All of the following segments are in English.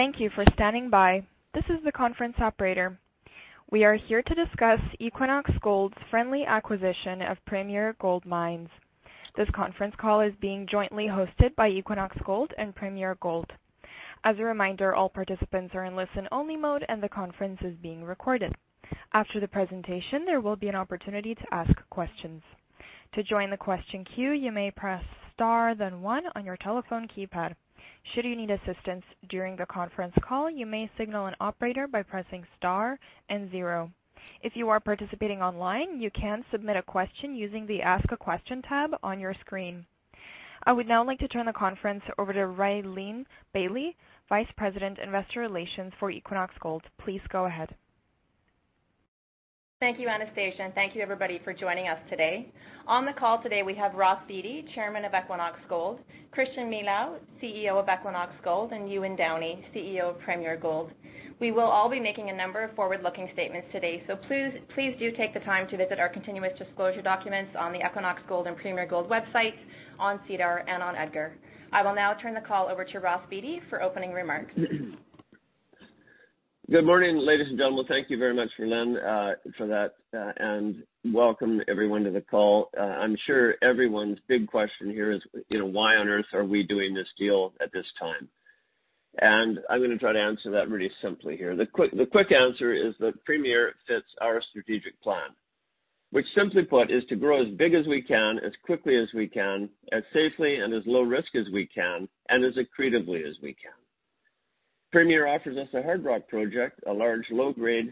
Thank you for standing by. This is the conference operator. We are here to discuss Equinox Gold's friendly acquisition of Premier Gold Mines. This conference call is being jointly hosted by Equinox Gold and Premier Gold. As a reminder, all participants are in listen-only mode, and the conference is being recorded. After the presentation, there will be an opportunity to ask questions. To join the question queue, you may press star, then one on your telephone keypad. Should you need assistance during the conference call, you may signal an operator by pressing star and zero. If you are participating online, you can submit a question using the Ask a Question tab on your screen. I would now like to turn the conference over to Rhylin Bailie, Vice President, Investor Relations for Equinox Gold. Please go ahead. Thank you, Anastasia, and thank you, everybody, for joining us today. On the call today, we have Ross Beaty, Chairman of Equinox Gold, Christian Milau, CEO of Equinox Gold, and Ewan Downie, CEO of Premier Gold. We will all be making a number of forward-looking statements today, so please do take the time to visit our continuous disclosure documents on the Equinox Gold and Premier Gold websites, on SEDAR, and on EDGAR. I will now turn the call over to Ross Beaty for opening remarks. Good morning, ladies and gentlemen. Thank you very much, Rhylin, for that, and welcome, everyone, to the call. I'm sure everyone's big question here is why on earth are we doing this deal at this time? I'm going to try to answer that really simply here. The quick answer is that Premier fits our strategic plan, which simply put, is to grow as big as we can, as quickly as we can, as safely and as low risk as we can, and as accretively as we can. Premier offers us a Hardrock project, a large low-risk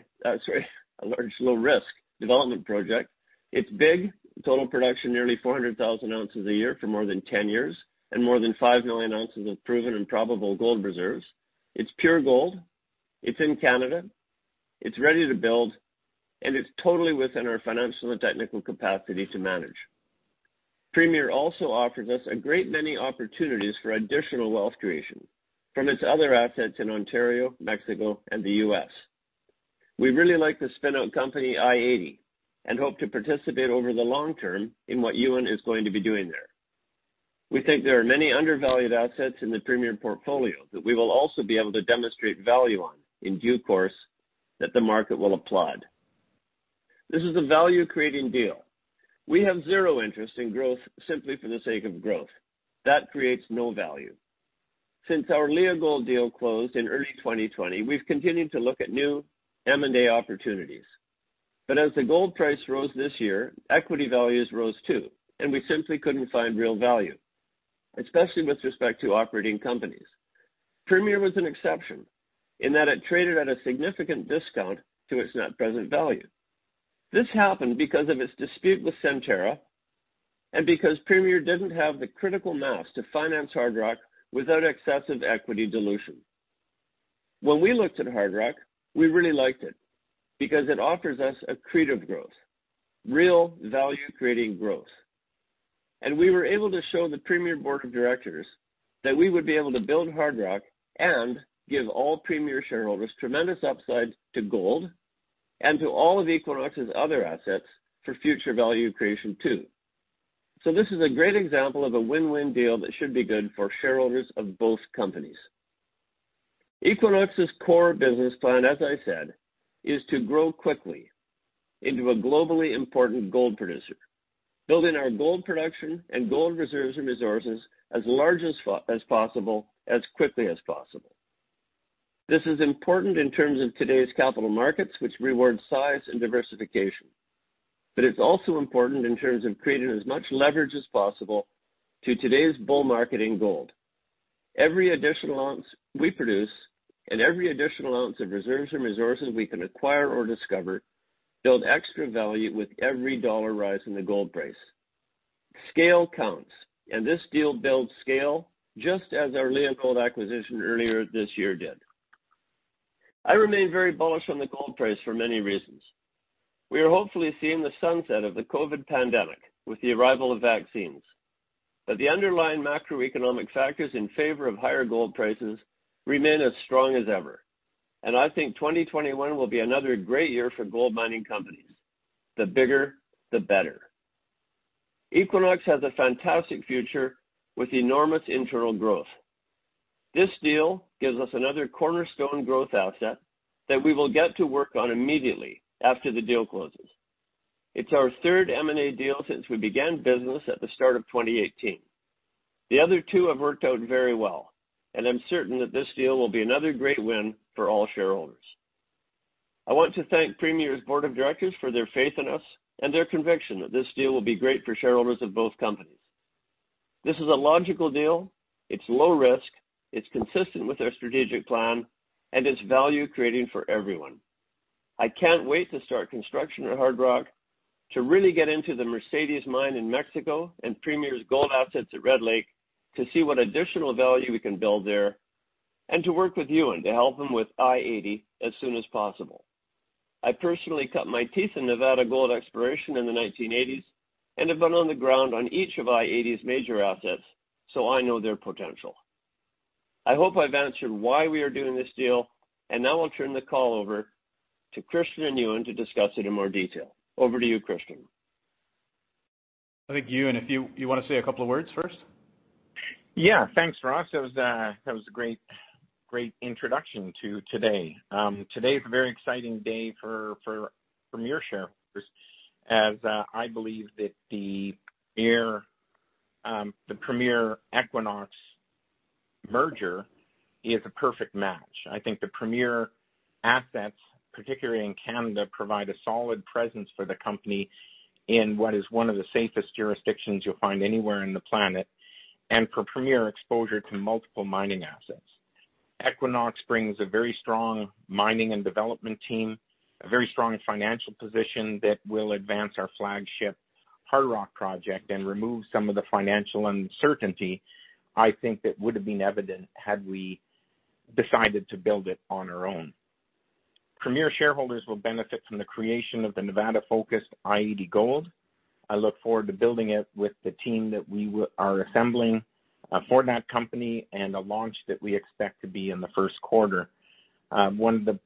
development project. It's big. Total production nearly 400,000 oz a year for more than 10 years and more than 5 million oz of proven and probable gold reserves. It's pure gold. It's in Canada. It's ready to build, and it's totally within our financial and technical capacity to manage. Premier also offers us a great many opportunities for additional wealth creation from its other assets in Ontario, Mexico, and the U.S. We really like the spin-out company, i-80, and hope to participate over the long term in what Ewan is going to be doing there. We think there are many undervalued assets in the Premier portfolio that we will also be able to demonstrate value on in due course that the market will applaud. This is a value-creating deal. We have zero interest in growth simply for the sake of growth. That creates no value. Since our Leagold deal closed in early 2020, we've continued to look at new M&A opportunities. As the gold price rose this year, equity values rose too, and we simply couldn't find real value, especially with respect to operating companies. Premier was an exception in that it traded at a significant discount to its net present value. This happened because of its dispute with Centerra and because Premier didn't have the critical mass to finance Hardrock without excessive equity dilution. When we looked at Hardrock, we really liked it because it offers us accretive growth, real value-creating growth. We were able to show the Premier Board of Directors that we would be able to build Hardrock and give all Premier shareholders tremendous upside to gold and to all of Equinox's other assets for future value creation, too. This is a great example of a win-win deal that should be good for shareholders of both companies. Equinox Gold's core business plan, as I said, is to grow quickly into a globally important gold producer, building our gold production and gold reserves and resources as large as possible, as quickly as possible. This is important in terms of today's capital markets, which reward size and diversification. But it's also important in terms of creating as much leverage as possible to today's bull market in gold. Every additional ounce we produce and every additional ounce of reserves and resources we can acquire or discover build extra value with every dollar rise in the gold price. Scale counts, and this deal builds scale just as our Leagold acquisition earlier this year did. I remain very bullish on the gold price for many reasons. We are hopefully seeing the sunset of the COVID pandemic with the arrival of vaccines, the underlying macroeconomic factors in favor of higher gold prices remain as strong as ever, I think 2021 will be another great year for gold mining companies. The bigger, the better. Equinox has a fantastic future with enormous internal growth. This deal gives us another cornerstone growth asset that we will get to work on immediately after the deal closes. It's our third M&A deal since we began business at the start of 2018. The other two have worked out very well, I'm certain that this deal will be another great win for all shareholders. I want to thank Premier's Board of Directors for their faith in us and their conviction that this deal will be great for shareholders of both companies. This is a logical deal. It's low risk, it's consistent with our strategic plan, and it's value-creating for everyone. I can't wait to start construction at Hardrock, to really get into the Mercedes mine in Mexico and Premier's gold assets at Red Lake to see what additional value we can build there, and to work with Ewan to help him with i-80 as soon as possible. I personally cut my teeth in Nevada gold exploration in the 1980s and have been on the ground on each of i-80's major assets, so I know their potential. I hope I've answered why we are doing this deal, and now I'll turn the call over to Christian and Ewan to discuss it in more detail. Over to you, Christian. I think Ewan, if you want to say a couple of words first? Thanks, Ross. That was a great introduction to today. Today is a very exciting day for Premier shareholders, as I believe that the Premier-Equinox merger is a perfect match. I think the Premier assets, particularly in Canada, provide a solid presence for the company in what is one of the safest jurisdictions you will find anywhere in the planet, and for Premier exposure to multiple mining assets. Equinox brings a very strong mining and development team, a very strong financial position that will advance our flagship Hardrock project and remove some of the financial uncertainty, I think that would have been evident had we decided to build it on our own. Premier shareholders will benefit from the creation of the Nevada-focused i-80 Gold. I look forward to building it with the team that we are assembling, for that company and a launch that we expect to be in the first quarter. One of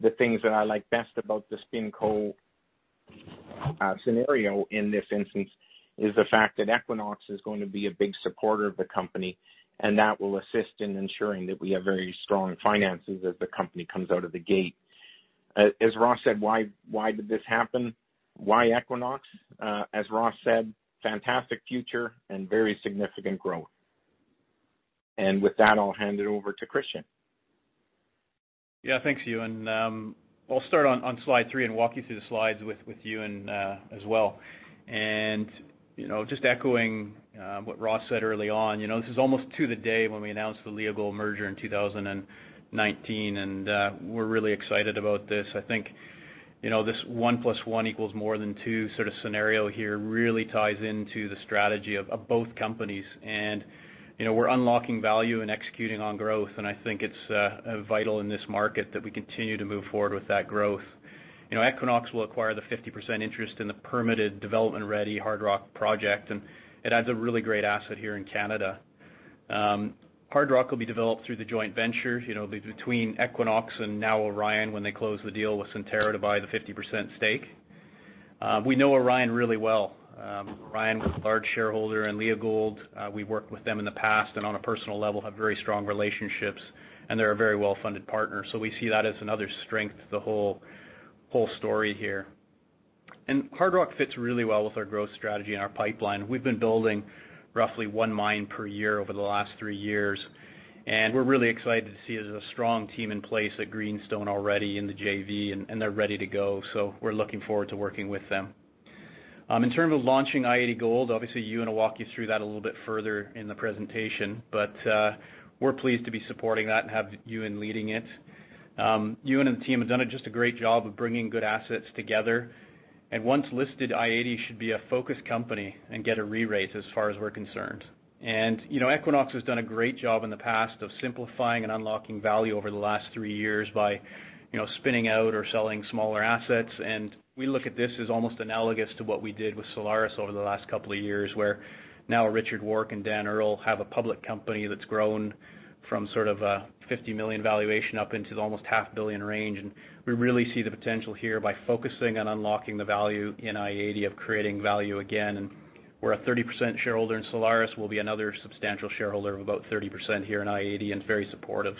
the things that I like best about the spinco scenario in this instance is the fact that Equinox is going to be a big supporter of the company, and that will assist in ensuring that we have very strong finances as the company comes out of the gate. As Ross said, why did this happen? Why Equinox? As Ross said, fantastic future and very significant growth. With that, I'll hand it over to Christian. Yeah. Thanks, Ewan. I'll start on slide three and walk you through the slides with Ewan as well. Just echoing what Ross said early on, this is almost to the day when we announced the Leagold merger in 2019, and we're really excited about this. I think this one plus one equals more than two scenario here really ties into the strategy of both companies. We're unlocking value and executing on growth, and I think it's vital in this market that we continue to move forward with that growth. Equinox will acquire the 50% interest in the permitted development-ready Hardrock Project, and it adds a really great asset here in Canada. Hardrock will be developed through the joint venture between Equinox and now Orion, when they close the deal with Centerra to buy the 50% stake. We know Orion really well. Orion was a large shareholder in Leagold. We worked with them in the past, on a personal level, have very strong relationships, they're a very well-funded partner. We see that as another strength to the whole story here. Hardrock fits really well with our growth strategy and our pipeline. We've been building roughly one mine per year over the last three years, we're really excited to see there's a strong team in place at Greenstone already in the JV, they're ready to go. We're looking forward to working with them. In terms of launching i-80 Gold, obviously, Ewan will walk you through that a little bit further in the presentation, we're pleased to be supporting that and have Ewan leading it. Ewan and the team have done just a great job of bringing good assets together. Once listed, i-80 should be a focus company and get a re-rate as far as we're concerned. Equinox has done a great job in the past of simplifying and unlocking value over the last three years by spinning out or selling smaller assets. We look at this as almost analogous to what we did with Solaris over the last couple of years, where now Richard Warke and Dan Earle have a public company that's grown from a 50 million valuation up into the almost 0.5 billion range. We really see the potential here by focusing on unlocking the value in i-80 of creating value again. We're a 30% shareholder in Solaris. We'll be another substantial shareholder of about 30% here in i-80 and very supportive.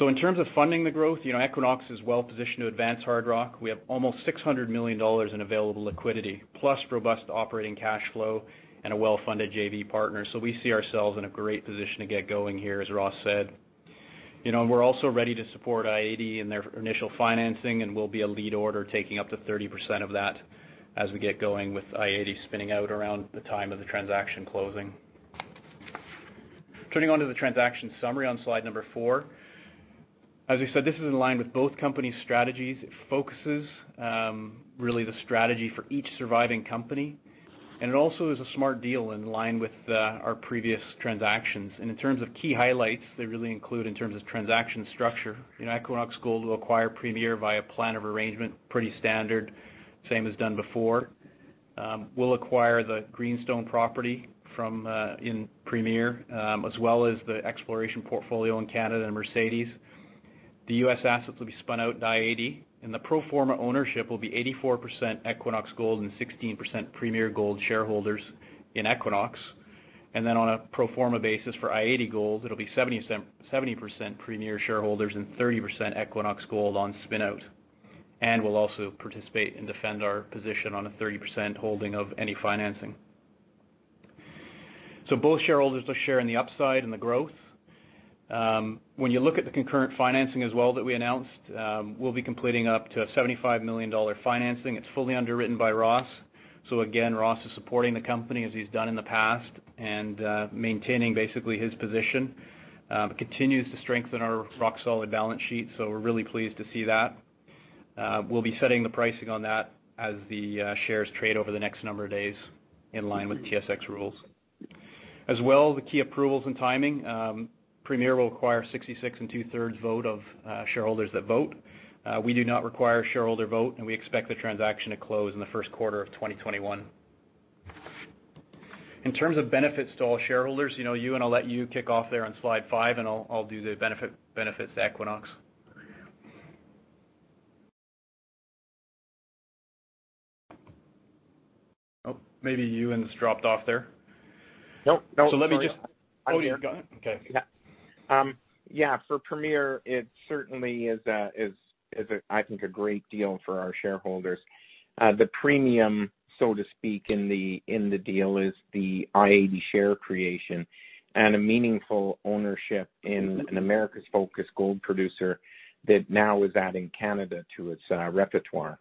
In terms of funding the growth, Equinox is well-positioned to advance Hardrock. We have almost $600 million in available liquidity, plus robust operating cash flow and a well-funded JV partner. We see ourselves in a great position to get going here, as Ross said. We are also ready to support i-80 in their initial financing and will be a lead order taking up to 30% of that as we get going with i-80 spinning out around the time of the transaction closing. Turning onto the transaction summary on slide number four. As we said, this is in line with both companies' strategies. It focuses, really the strategy for each surviving company. It also is a smart deal in line with our previous transactions. In terms of key highlights, they really include in terms of transaction structure, Equinox Gold will acquire Premier via plan of arrangement, pretty standard, same as done before. We'll acquire the Greenstone property in Premier, as well as the exploration portfolio in Canada and Mercedes. The U.S. assets will be spun out in i-80. The pro forma ownership will be 84% Equinox Gold and 16% Premier Gold shareholders in Equinox. On a pro forma basis for i-80 Gold, it'll be 70% Premier shareholders and 30% Equinox Gold on spin-out. We'll also participate and defend our position on a 30% holding of any financing. Both shareholders will share in the upside and the growth. When you look at the concurrent financing as well that we announced, we'll be completing up to a 75 million dollar financing. It's fully underwritten by Ross. Again, Ross is supporting the company as he's done in the past and maintaining basically his position. Continues to strengthen our rock-solid balance sheet, so we're really pleased to see that. We'll be setting the pricing on that as the shares trade over the next number of days in line with TSX rules. The key approvals and timing. Premier will require 66 and 2/3 vote of shareholders that vote. We do not require a shareholder vote, and we expect the transaction to close in the first quarter of 2021. In terms of benefits to all shareholders, Ewan, I'll let you kick off there on slide five, and I'll do the benefits to Equinox. Maybe Ewan's dropped off there. Nope. Sorry about that. Oh, you're go ahead. Okay. Yeah. For Premier, it certainly is, I think, a great deal for our shareholders. The premium, so to speak, in the deal is the i-80 share creation and a meaningful ownership in an Americas-focused gold producer that now is adding Canada to its repertoire.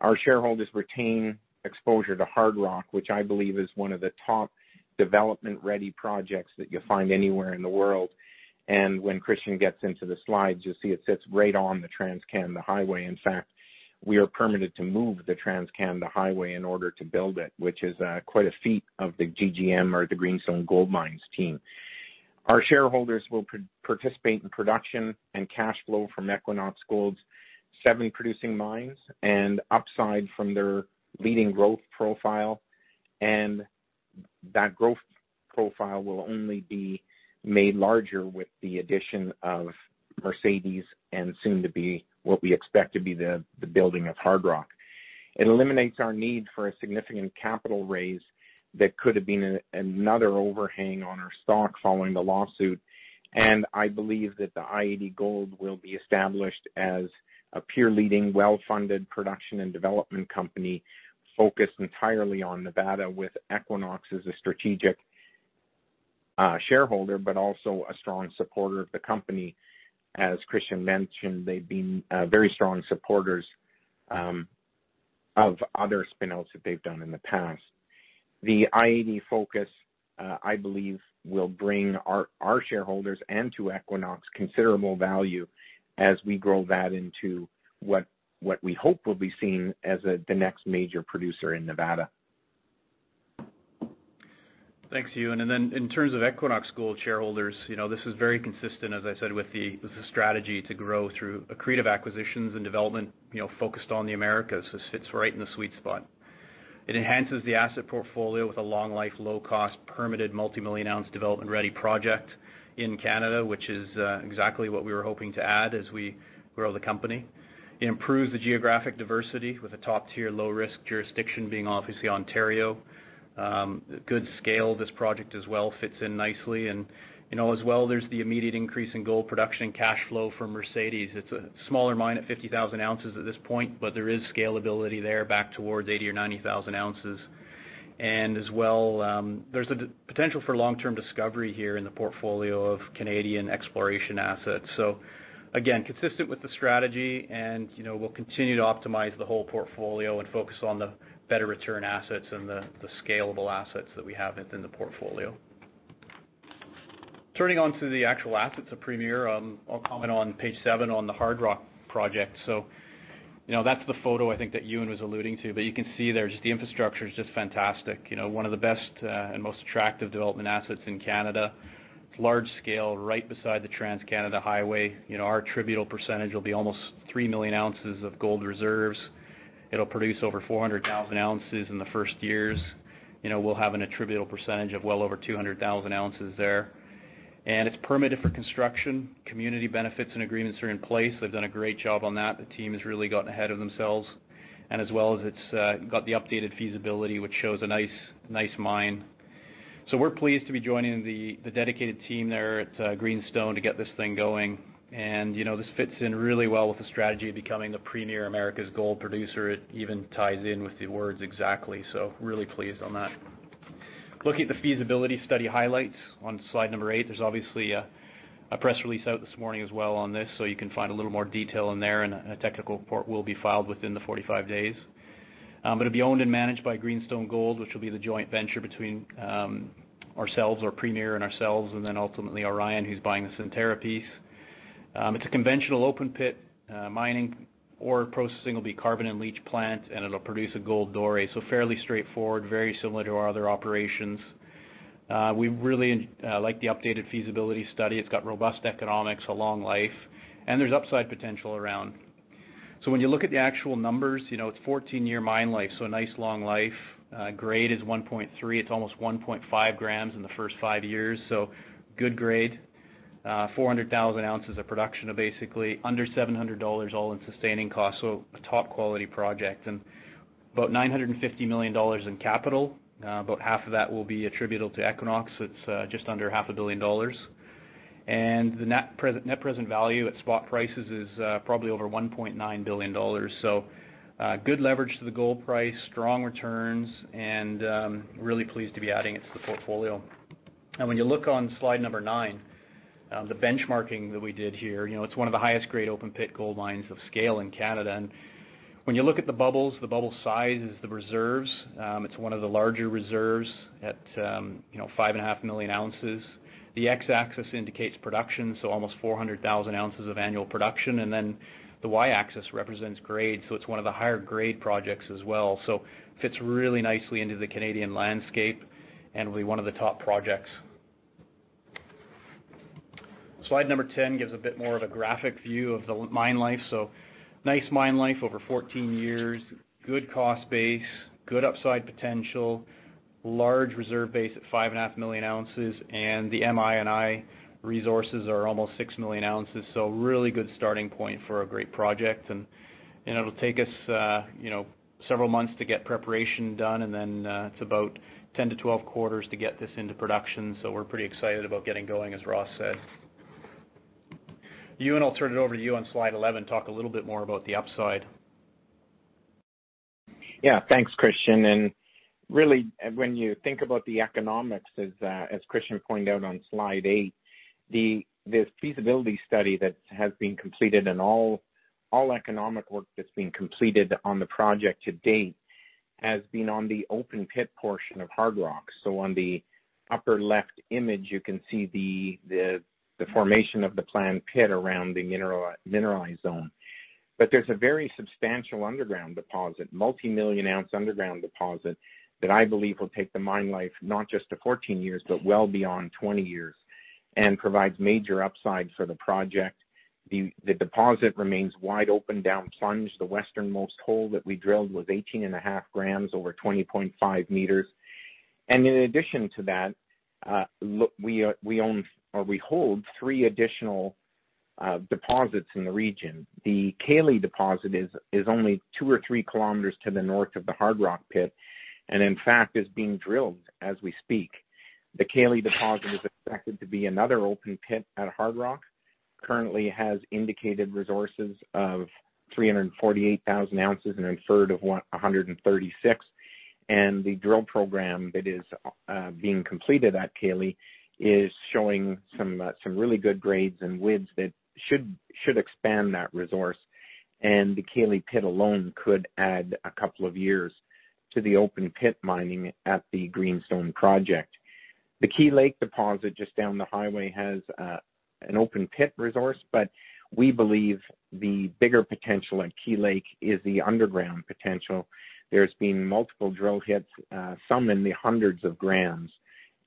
Our shareholders retain exposure to Hardrock, which I believe is one of the top development-ready projects that you'll find anywhere in the world. When Christian gets into the slides, you'll see it sits right on the Trans-Canada Highway. In fact, we are permitted to move the Trans-Canada Highway in order to build it, which is quite a feat of the GGM or the Greenstone Gold Mines team. Our shareholders will participate in production and cash flow from Equinox Gold's seven producing mines, and upside from their leading growth profile. That growth profile will only be made larger with the addition of Mercedes, and soon to be, what we expect to be the building of Hardrock. It eliminates our need for a significant capital raise that could have been another overhang on our stock following the lawsuit, and I believe that the i-80 Gold will be established as a peer-leading, well-funded production and development company focused entirely on Nevada with Equinox as a strategic shareholder, but also a strong supporter of the company. As Christian mentioned, they've been very strong supporters of other spin-outs that they've done in the past. The i-80 focus, I believe, will bring our shareholders and to Equinox considerable value as we grow that into what we hope will be seen as the next major producer in Nevada. Thanks, Ewan. In terms of Equinox Gold shareholders, this is very consistent, as I said, with the strategy to grow through accretive acquisitions and development focused on the Americas. This fits right in the sweet spot. It enhances the asset portfolio with a long-life, low-cost, permitted multi-million-ounce development-ready project in Canada, which is exactly what we were hoping to add as we grow the company. It improves the geographic diversity with a top-tier, low-risk jurisdiction being obviously Ontario. Good scale. This project as well fits in nicely. As well, there's the immediate increase in gold production cash flow from Mercedes. It's a smaller mine at 50,000 oz at this point, but there is scalability there back towards 80,000 or 90,000 oz. As well, there's a potential for long-term discovery here in the portfolio of Canadian exploration assets. Again, consistent with the strategy, and we'll continue to optimize the whole portfolio and focus on the better return assets and the scalable assets that we have within the portfolio. Turning onto the actual assets of Premier, I'll comment on page seven on the Hardrock project. That's the photo I think that Ewan was alluding to. You can see there, just the infrastructure is just fantastic. One of the best and most attractive development assets in Canada. It's large scale, right beside the Trans-Canada Highway. Our attributable percentage will be almost 3 million oz of gold reserves. It'll produce over 400,000 oz in the first years. We'll have an attributable percentage of well over 200,000 oz there. It's permitted for construction. Community benefits and agreements are in place. They've done a great job on that. The team has really gotten ahead of themselves. As well as it's got the updated feasibility, which shows a nice mine. We're pleased to be joining the dedicated team there at Greenstone to get this thing going. This fits in really well with the strategy of becoming the premier Americas gold producer. It even ties in with the words exactly. Really pleased on that. Looking at the feasibility study highlights on slide number eight, there's obviously a press release out this morning as well on this, so you can find a little more detail in there, and a technical report will be filed within the 45 days. It'll be owned and managed by Greenstone Gold, which will be the joint venture between ourselves, or Premier and ourselves, and then ultimately Orion, who's buying the Centerra piece. It's a conventional open pit mining ore processing will be carbon-in-leach plant, and it'll produce a gold doré. Fairly straightforward, very similar to our other operations. We really like the updated feasibility study. It's got robust economics, a long life, and there's upside potential around. When you look at the actual numbers, it's 14-year mine life, so a nice long life. Grade is 1.3. It's almost 1.5 g in the first five years, so good grade. 400,000 oz of production of basically under $700 all-in sustaining costs. A top-quality project. About $950 million in capital, about half of that will be attributable to Equinox, so it's just under $0.5 billion. The net present value at spot prices is probably over $1.9 billion. Good leverage to the gold price, strong returns, and really pleased to be adding it to the portfolio. When you look on slide number nine, the benchmarking that we did here, it's one of the highest grade open pit gold mines of scale in Canada. When you look at the bubbles, the bubble size is the reserves. It's one of the larger reserves at 5.5 million oz. The X-axis indicates production, almost 400,000 oz of annual production. The Y-axis represents grade, it's one of the higher grade projects as well. Fits really nicely into the Canadian landscape and will be one of the top projects. Slide number 10 gives a bit more of a graphic view of the mine life. Nice mine life over 14 years, good cost base, good upside potential. Large reserve base at 5.5 million oz, and the M&I resources are almost 6 million oz. Really good starting point for a great project, and it'll take us several months to get preparation done, and then it's about 10-12 quarters to get this into production. We're pretty excited about getting going, as Ross said. Ewan, I'll turn it over to you on slide 11, talk a little bit more about the upside. Yeah, thanks, Christian. Really, when you think about the economics, as Christian pointed out on slide eight, this feasibility study that has been completed and all economic work that's been completed on the project to date has been on the open pit portion of Hardrock. On the upper left image, you can see the formation of the planned pit around the mineralized zone. There's a very substantial underground deposit, multimillion-ounce underground deposit that I believe will take the mine life not just to 14 years, but well beyond 20 years and provides major upside for the project. The deposit remains wide open down plunge. The westernmost hole that we drilled was 18.5 g over 20.5 m. In addition to that, we own or we hold three additional deposits in the region. The Kailey deposit is only 2-3km to the north of the Hardrock pit. In fact, is being drilled as we speak. The Kailey deposit is expected to be another open pit at Hardrock. Currently has indicated resources of 348,000 oz and inferred of 136,000 oz. The drill program that is being completed at Kailey is showing some really good grades and widths that should expand that resource. The Kailey pit alone could add a couple of years to the open pit mining at the Greenstone Project. The Key Lake deposit just down the highway has an open pit resource, but we believe the bigger potential at Key Lake is the underground potential. There's been multiple drill hits, some in the hundreds of grams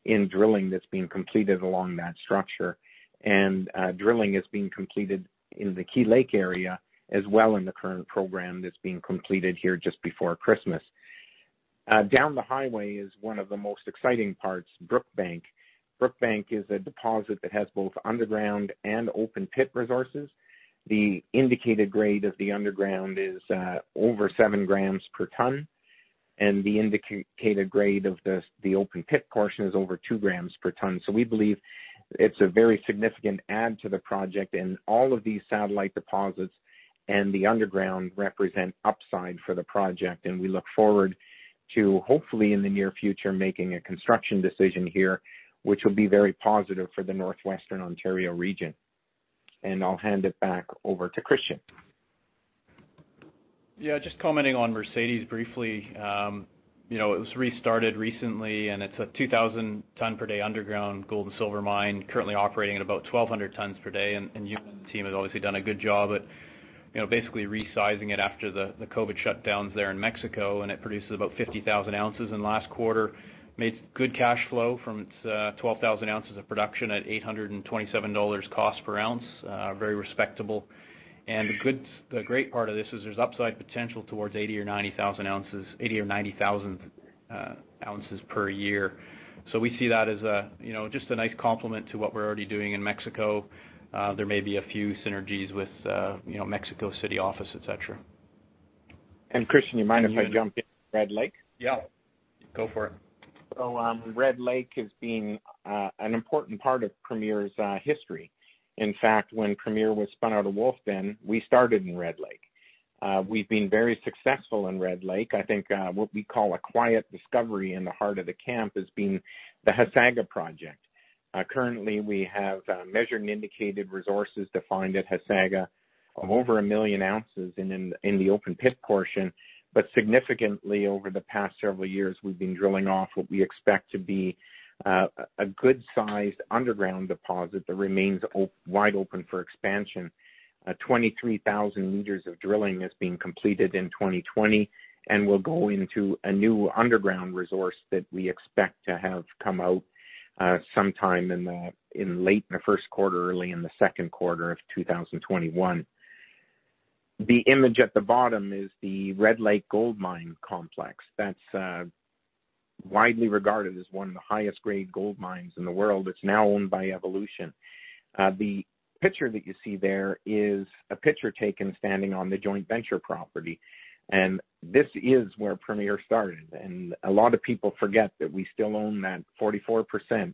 in drilling that's being completed along that structure. Drilling is being completed in the Key Lake area as well in the current program that's being completed here just before Christmas. Down the highway is one of the most exciting parts, Brookbank. Brookbank is a deposit that has both underground and open pit resources. The indicated grade of the underground is over 7 g/t, and the indicated grade of the open pit portion is over 2 g/t. We believe it's a very significant add to the project, and all of these satellite deposits and the underground represent upside for the project. We look forward to, hopefully in the near future, making a construction decision here, which will be very positive for the Northwestern Ontario region. I'll hand it back over to Christian. Yeah, just commenting on Mercedes briefly. It was restarted recently, and it's a 2,000-ton per day underground gold and silver mine currently operating at about 1,200 tons per day. Ewan and the team have obviously done a good job at basically resizing it after the COVID shutdowns there in Mexico, and it produces about 50,000 oz. Last quarter, made good cash flow from its 12,000 oz of production at $827 cost per ounce, very respectable. The great part of this is there's upside potential towards 80,000 or 90,000 oz per year. We see that as just a nice complement to what we're already doing in Mexico. There may be a few synergies with Mexico City office, et cetera. Christian, you mind if I jump in Red Lake? Yeah. Go for it. Red Lake has been an important part of Premier's history. In fact, when Premier was spun out of Wolfden, we started in Red Lake. We've been very successful in Red Lake. I think what we call a quiet discovery in the heart of the camp has been the Hasaga project. Currently, we have measured and indicated resources defined at Hasaga of over 1 million oz in the open pit portion. Significantly, over the past several years, we've been drilling off what we expect to be a good-sized underground deposit that remains wide open for expansion. 23,000 m of drilling is being completed in 2020, and we'll go into a new underground resource that we expect to have come out sometime in late in the first quarter, early in the second quarter of 2021. The image at the bottom is the Red Lake gold mine complex that's widely regarded as one of the highest grade gold mines in the world. It's now owned by Evolution. The picture that you see there is a picture taken standing on the joint venture property, and this is where Premier started. A lot of people forget that we still own that 44%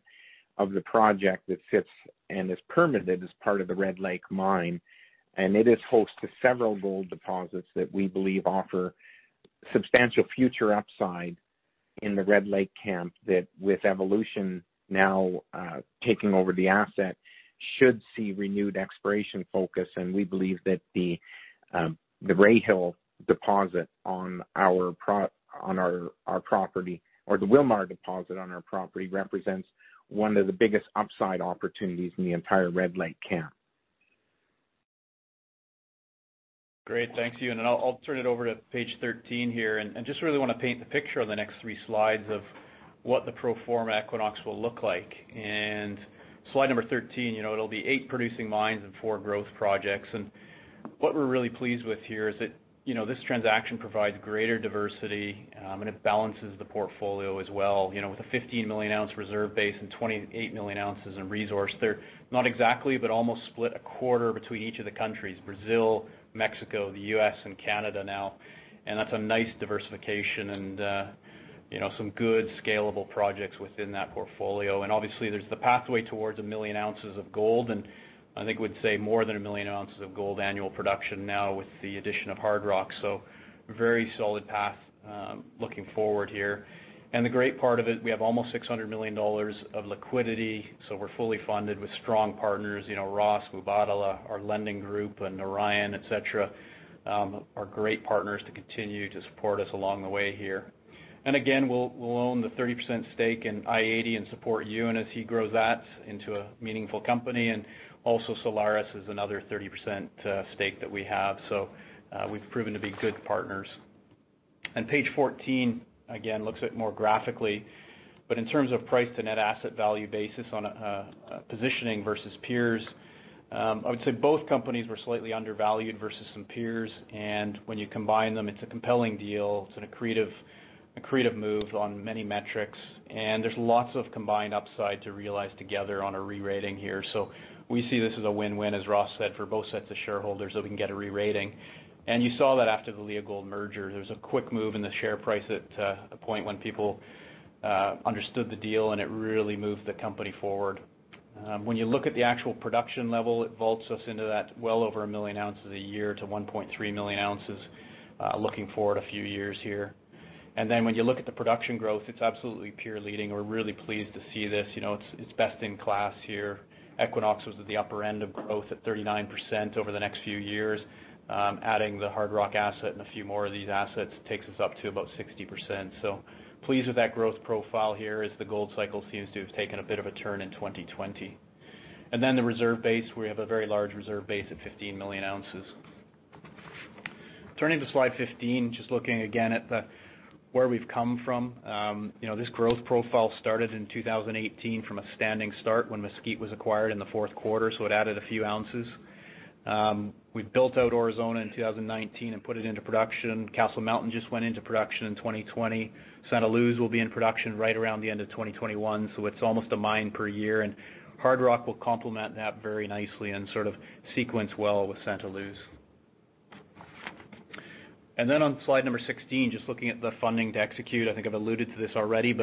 of the project that sits and is permitted as part of the Red Lake mine, and it is host to several gold deposits that we believe offer substantial future upside in the Red Lake camp that, with Evolution now taking over the asset, should see renewed exploration focus. We believe that the Rahill deposit on our property, or the Wilmar deposit on our property represents one of the biggest upside opportunities in the entire Red Lake camp. Great. Thank you. I'll turn it over to page 13 here and just really want to paint the picture on the next three slides of what the pro forma Equinox will look like. Slide number 13, it'll be eight producing mines and four growth projects. What we're really pleased with here is that this transaction provides greater diversity, and it balances the portfolio as well, with a 15 million oz reserve base and 28 million oz in resource. They're not exactly, but almost split a 1/4 between each of the countries, Brazil, Mexico, the U.S., and Canada now, and that's a nice diversification and some good scalable projects within that portfolio. Obviously there's the pathway towards 1 million oz of gold, and I think we'd say more than 1 million oz of gold annual production now with the addition of Hardrock, so a very solid path looking forward here. The great part of it, we have almost $600 million of liquidity, we're fully funded with strong partners. Ross, Mubadala, our lending group, and Orion, et cetera, are great partners to continue to support us along the way here. Again, we'll own the 30% stake in i-80 and support Ewan as he grows that into a meaningful company. Also Solaris is another 30% stake that we have, we've proven to be good partners. Page 14, again, looks at more graphically, in terms of price to net asset value basis on a positioning versus peers, I would say both companies were slightly undervalued versus some peers. When you combine them, it's a compelling deal. It's an accretive move on many metrics, there's lots of combined upside to realize together on a re-rating here. We see this as a win-win, as Ross said, for both sets of shareholders that we can get a re-rating. You saw that after the Leagold merger, there was a quick move in the share price at a point when people understood the deal and it really moved the company forward. When you look at the actual production level, it vaults us into that well over 1 million oz a year to 1.3 million oz, looking forward a few years here. When you look at the production growth, it's absolutely peer leading. We're really pleased to see this. It's best in class here. Equinox was at the upper end of growth at 39% over the next few years. Adding the Hardrock asset and a few more of these assets takes us up to about 60%. Pleased with that growth profile here as the gold cycle seems to have taken a bit of a turn in 2020. The reserve base, we have a very large reserve base of 15 million oz. Turning to slide 15, just looking again at where we've come from. This growth profile started in 2018 from a standing start when Mesquite was acquired in the fourth quarter, so it added a few ounces. We built out Aurizona in 2019 and put it into production. Castle Mountain just went into production in 2020. Santa Luz will be in production right around the end of 2021, so it's almost a mine per year, and Hardrock will complement that very nicely and sequence well with Santa Luz. On slide number 16, just looking at the funding to execute. I think I've alluded to this already,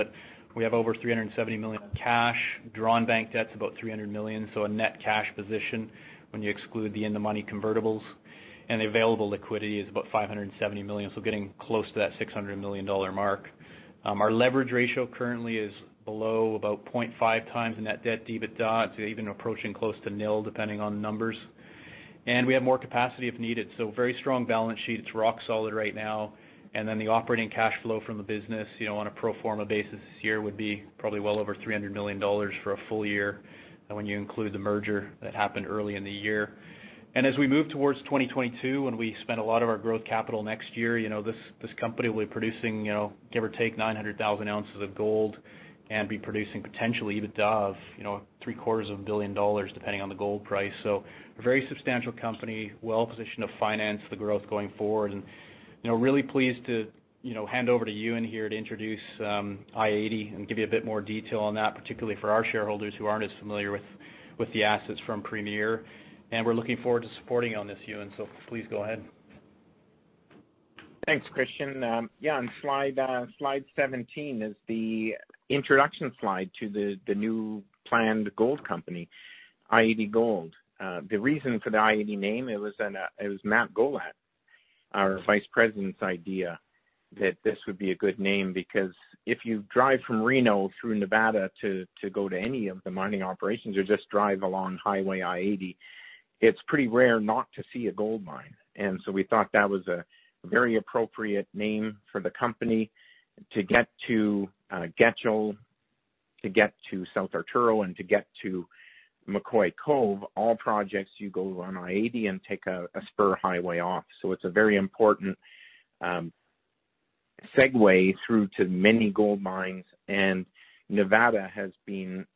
we have over $370 million of cash. Drawn bank debt's about $300 million, so a net cash position when you exclude the in-the-money convertibles. The available liquidity is about $570 million, so getting close to that $600 million mark. Our leverage ratio currently is below about 0.5x the net debt EBITDA, to even approaching close to nil, depending on the numbers. We have more capacity if needed, so very strong balance sheet. It's rock solid right now. The operating cash flow from the business, on a pro forma basis this year, would be probably well over $300 million for a full year, and when you include the merger that happened early in the year. As we move towards 2022, when we spend a lot of our growth capital next year, this company will be producing, give or take, 900,000 oz of gold and be producing potentially EBITDA of $0.75 billion, depending on the gold price. A very substantial company, well-positioned to finance the growth going forward. Really pleased to hand over to Ewan here to introduce i-80 and give you a bit more detail on that, particularly for our shareholders who aren't as familiar with the assets from Premier. We're looking forward to supporting you on this, Ewan, so please go ahead. Thanks, Christian. Yeah, on slide 17 is the introduction slide to the new planned gold company, i-80 Gold. The reason for the i-80 name, it was Matt Gollat, our vice president's idea that this would be a good name because if you drive from Reno through Nevada to go to any of the mining operations or just drive along Highway i-80, it's pretty rare not to see a gold mine. We thought that was a very appropriate name for the company. To get to Getchell, to get to South Arturo, and to get to McCoy-Cove, all projects, you go on i-80 and take a spur highway off. It's a very important segue through to many gold mines, and Nevada has been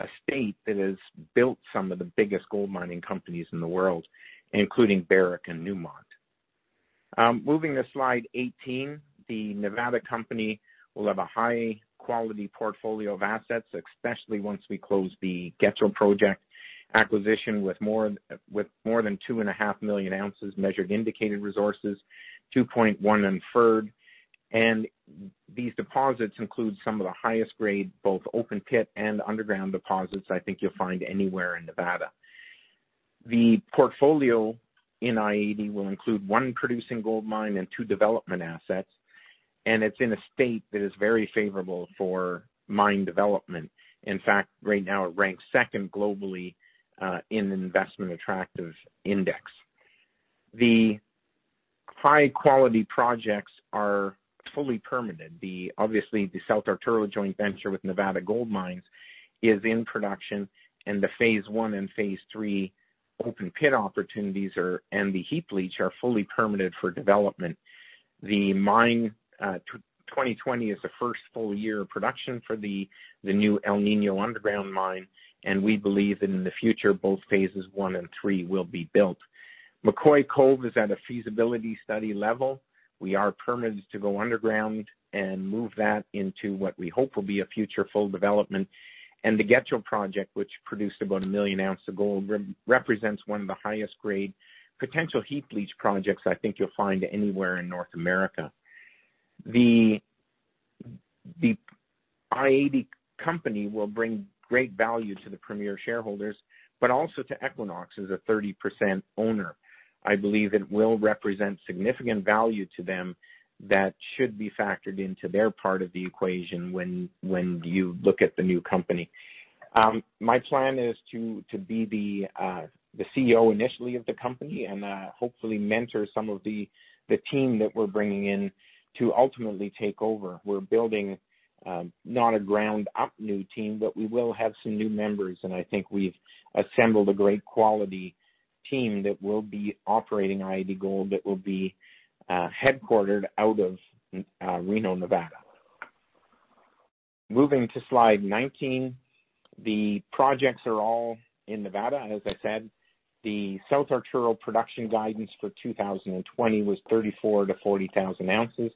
a state that has built some of the biggest gold mining companies in the world, including Barrick and Newmont. Moving to slide 18, the Nevada company will have a high-quality portfolio of assets, especially once we close the Getchell Project acquisition with more than 2.5 million oz Measured and Indicated resources, 2.1 million oz inferred. These deposits include some of the highest grade, both open pit and underground deposits I think you'll find anywhere in Nevada. The portfolio in i-80 will include one producing gold mine and two development assets. It's in a state that is very favorable for mine development. In fact, right now it ranks second globally in investment attractive index. The high-quality projects are fully permitted. Obviously, the South Arturo joint venture with Nevada Gold Mines is in production, and the phase I and phase III open pit opportunities and the heap leach are fully permitted for development. The mine, 2020 is the first full year of production for the new El Niño underground mine, and we believe that in the future, both phases I and III will be built. McCoy-Cove is at a feasibility study level. We are permitted to go underground and move that into what we hope will be a future full development. The Getchell project, which produced about 1 million oz of gold, represents one of the highest grade potential heap leach projects I think you'll find anywhere in North America. The i-80 Company will bring great value to the Premier shareholders, but also to Equinox as a 30% owner. I believe it will represent significant value to them that should be factored into their part of the equation when you look at the new company. My plan is to be the CEO initially of the company, and hopefully mentor some of the team that we're bringing in to ultimately take over. We're building not a ground-up new team, but we will have some new members, and I think we've assembled a great quality team that will be operating i-80 Gold, that will be headquartered out of Reno, Nevada. Moving to slide 19. The projects are all in Nevada, as I said. The South Arturo production guidance for 2020 was 34,000-40,000 oz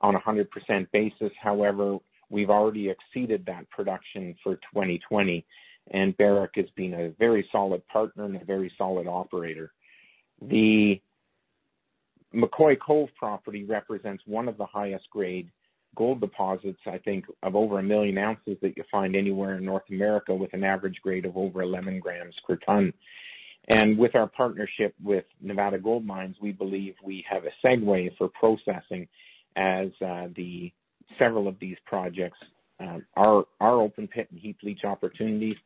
on a 100% basis. However, we've already exceeded that production for 2020, and Barrick has been a very solid partner and a very solid operator. The McCoy-Cove property represents one of the highest grade gold deposits, I think, of over 1 million oz that you'll find anywhere in North America with an average grade of over 11 g/t. With our partnership with Nevada Gold Mines, we believe we have a segue for processing as several of these projects are open pit and heap leach opportunities,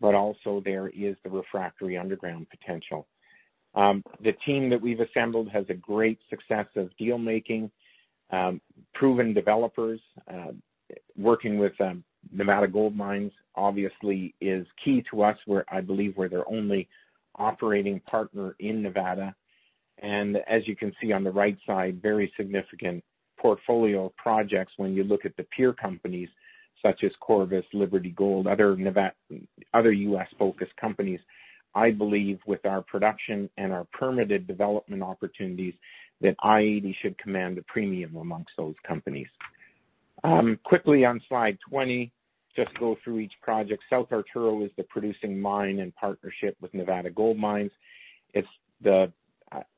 but also there is the refractory underground potential. The team that we've assembled has a great success of deal-making. Proven developers. Working with Nevada Gold Mines obviously is key to us, I believe we're their only operating partner in Nevada. As you can see on the right side, very significant portfolio of projects when you look at the peer companies such as Corvus, Liberty Gold, other U.S.-focused companies. I believe with our production and our permitted development opportunities that i-80 should command a premium amongst those companies. Quickly on slide 20, just go through each project. South Arturo is the producing mine in partnership with Nevada Gold Mines. It's,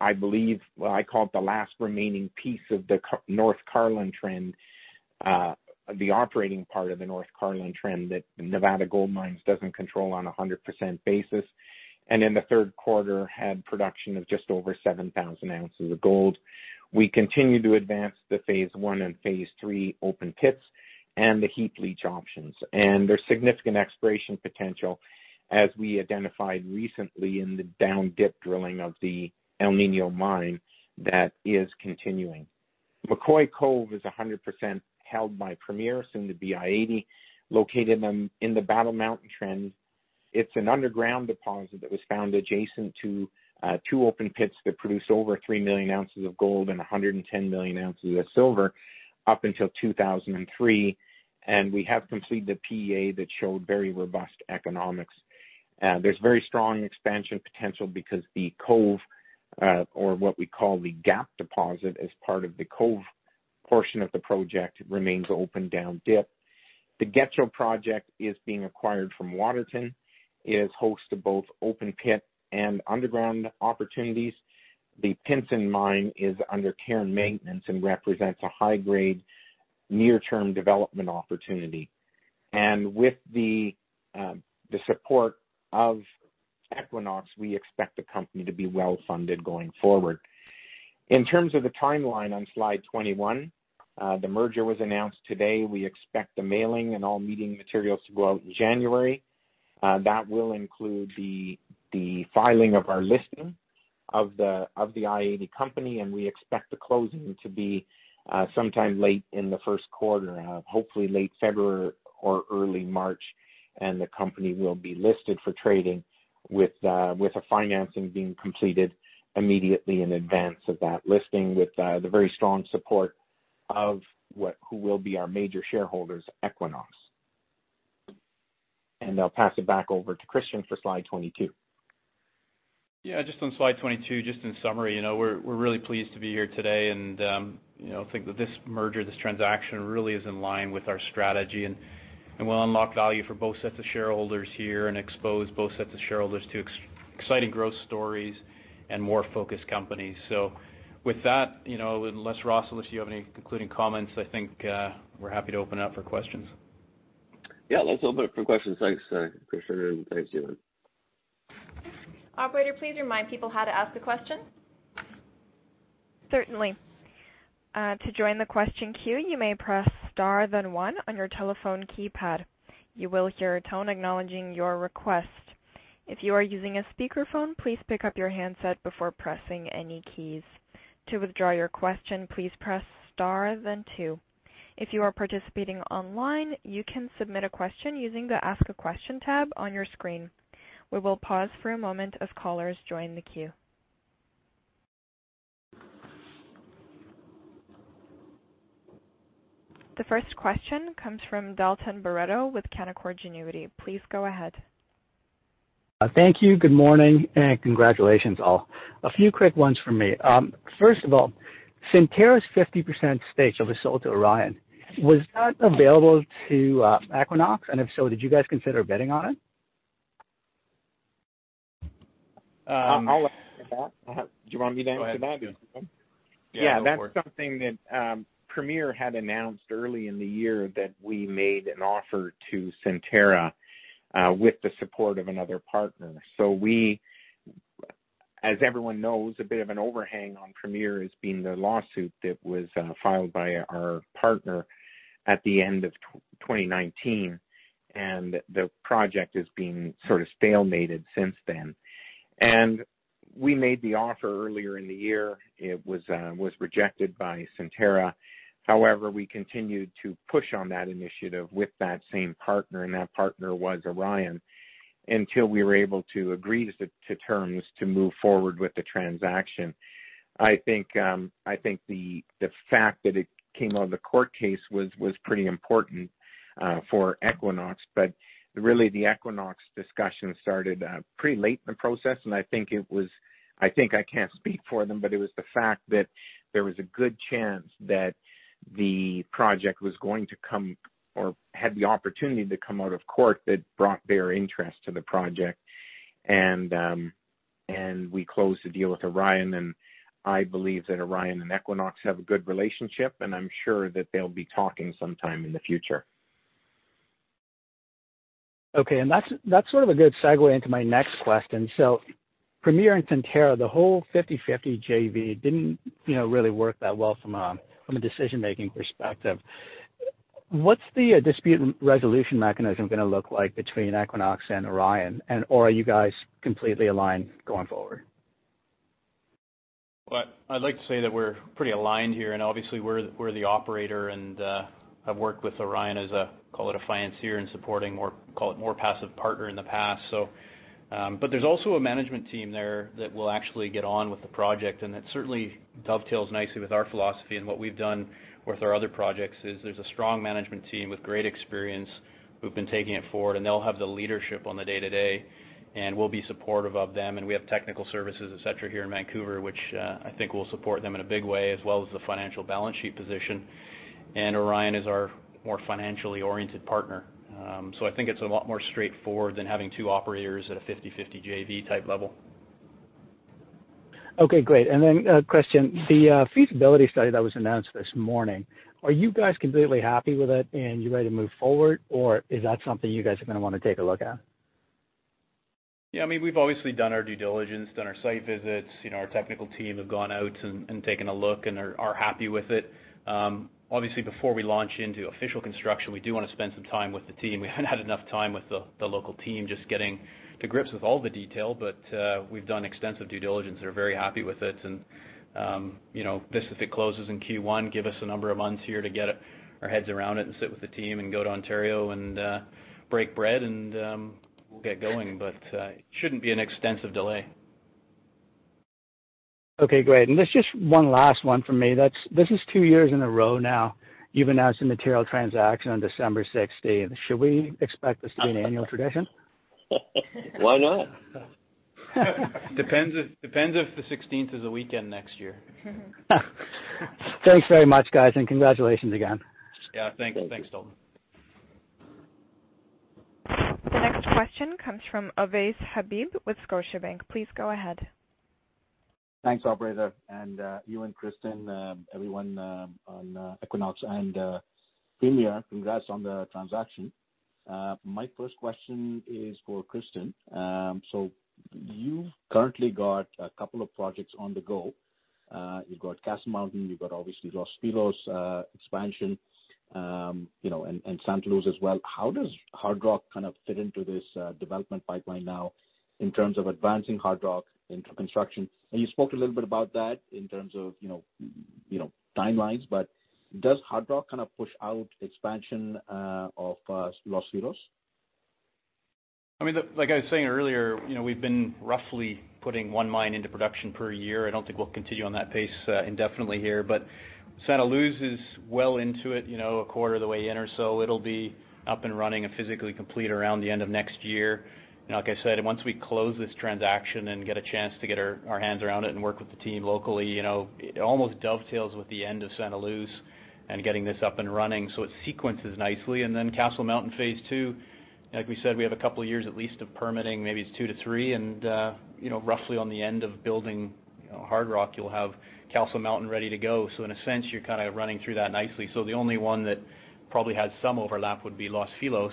I believe, I call it the last remaining piece of the North Carlin Trend, the operating part of the North Carlin Trend that Nevada Gold Mines doesn't control on a 100% basis. In the third quarter, had production of just over 7,000 oz of gold. We continue to advance to phase I and phase III open pits and the heap leach options. There's significant exploration potential as we identified recently in the down-dip drilling of the El Niño mine that is continuing. McCoy-Cove is 100% held by Premier, soon to be i-80, located in the Battle Mountain Trend. It's an underground deposit that was found adjacent to two open pits that produced over 3 million oz of gold and 110 million oz of silver up until 2003. We have completed a PEA that showed very robust economics. There's very strong expansion potential because the Cove, or what we call the Gap deposit as part of the Cove portion of the project, remains open down dip. The Getchell project is being acquired from Waterton. It is host to both open pit and underground opportunities. The Pinson Mine is under care and maintenance and represents a high-grade near-term development opportunity. With the support of Equinox, we expect the company to be well-funded going forward. In terms of the timeline on slide 21, the merger was announced today. We expect the mailing and all meeting materials to go out in January. That will include the filing of our listing of the i-80 company. We expect the closing to be sometime late in the first quarter, hopefully late February or early March, and the company will be listed for trading with a financing being completed immediately in advance of that listing with the very strong support of what, who will be our major shareholder, Equinox. I'll pass it back over to Christian for slide 22. Yeah. Just on slide 22, just in summary, we're really pleased to be here today and think that this merger, this transaction, really is in line with our strategy and will unlock value for both sets of shareholders here and expose both sets of shareholders to exciting growth stories and more focused companies. With that, unless, Ross, unless you have any concluding comments, I think we're happy to open it up for questions. Yeah. Let's open it up for questions. Thanks, Christian, and thanks, Ewan. Operator, please remind people how to ask a question. Certainly. To join the question queue, you may press star, then one on your telephone keypad. You will hear a tone acknowledging your request. If you are using a speakerphone, please pick up your handset before pressing any keys. To withdraw your question, please press star, then two. If you are participating online, you can submit your question using the 'Ask a Question' tab on your screen. We will pause for a moment as callers join the queue. The first question comes from Dalton Baretto with Canaccord Genuity. Please go ahead. Thank you. Good morning and congratulations, all. A few quick ones from me. First of all, Centerra's 50% stake that was sold to Orion, was that available to Equinox? If so, did you guys consider bidding on it? I'll answer that. Do you want me to answer that? Go ahead. Yeah. Yeah. Yeah, of course. That's something that Premier had announced early in the year that we made an offer to Centerra, with the support of another partner. We, as everyone knows, a bit of an overhang on Premier has been the lawsuit that was filed by our partner at the end of 2019, and the project is being stalemated since then. We made the offer earlier in the year. It was rejected by Centerra. However, we continued to push on that initiative with that same partner, and that partner was Orion, until we were able to agree to terms to move forward with the transaction. I think the fact that it came out of the court case was pretty important for Equinox. Really, the Equinox discussion started pretty late in the process, and I think I can't speak for them, but it was the fact that there was a good chance that the project was going to come or had the opportunity to come out of court that brought their interest to the project. We closed the deal with Orion, and I believe that Orion and Equinox have a good relationship, and I'm sure that they'll be talking sometime in the future. Okay. That's a good segue into my next question. Premier and Centerra, the whole 50/50 JV didn't really work that well from a decision-making perspective. What's the dispute resolution mechanism going to look like between Equinox and Orion? Or are you guys completely aligned going forward? I'd like to say that we're pretty aligned here. Obviously we're the operator and, have worked with Orion as a, call it a financier in supporting more, call it more passive partner in the past. There's also a management team there that will actually get on with the project. That certainly dovetails nicely with our philosophy and what we've done with our other projects is there's a strong management team with great experience who've been taking it forward. They'll have the leadership on the day-to-day, and we'll be supportive of them. We have technical services, et cetera, here in Vancouver, which, I think will support them in a big way, as well as the financial balance sheet position. Orion is our more financially oriented partner. I think it's a lot more straightforward than having two operators at a 50/50 JV type level. Okay, great. A question, the feasibility study that was announced this morning, are you guys completely happy with it and you're ready to move forward, or is that something you guys are going to want to take a look at? Yeah, we've obviously done our due diligence, done our site visits. Our technical team have gone out and taken a look and are happy with it. Obviously, before we launch into official construction, we do want to spend some time with the team. We haven't had enough time with the local team just getting to grips with all the detail, but, we've done extensive due diligence and are very happy with it. This, if it closes in Q1, give us a number of months here to get our heads around it and sit with the team and go to Ontario and break bread and we'll get going. It shouldn't be an extensive delay. Okay, great. There's just one last one from me. This is two years in a row now, you've announced a material transaction on December 16th. Should we expect this to be an annual tradition? Why not? Depends if the 16th is a weekend next year. Thanks very much, guys, and congratulations again. Yeah. Thanks, Dalton. The next question comes from Ovais Habib with Scotiabank. Please go ahead. Thanks, operator. Ewan, Christian, everyone on Equinox and Premier, congrats on the transaction. My first question is for Christian. You've currently got a couple of projects on the go. You've got Castle Mountain, you've got obviously Los Filos expansion, and Santa Luz as well. How does Hardrock fit into this development pipeline now in terms of advancing Hardrock into construction? You spoke a little bit about that in terms of timelines, but does Hardrock push out expansion of Los Filos? Like I was saying earlier, we've been roughly putting one mine into production per year. I don't think we'll continue on that pace indefinitely here. Santa Luz is well into it, a 1/4 of the way in or so. It'll be up and running and physically complete around the end of next year. Like I said, once we close this transaction and get a chance to get our hands around it and work with the team locally, it almost dovetails with the end of Santa Luz and getting this up and running. It sequences nicely. Castle Mountain phase II, like we said, we have a couple of years at least of permitting. Maybe it's two to three. Roughly on the end of building Hardrock, you'll have Castle Mountain ready to go. In a sense, you're running through that nicely. The only one that probably has some overlap would be Los Filos.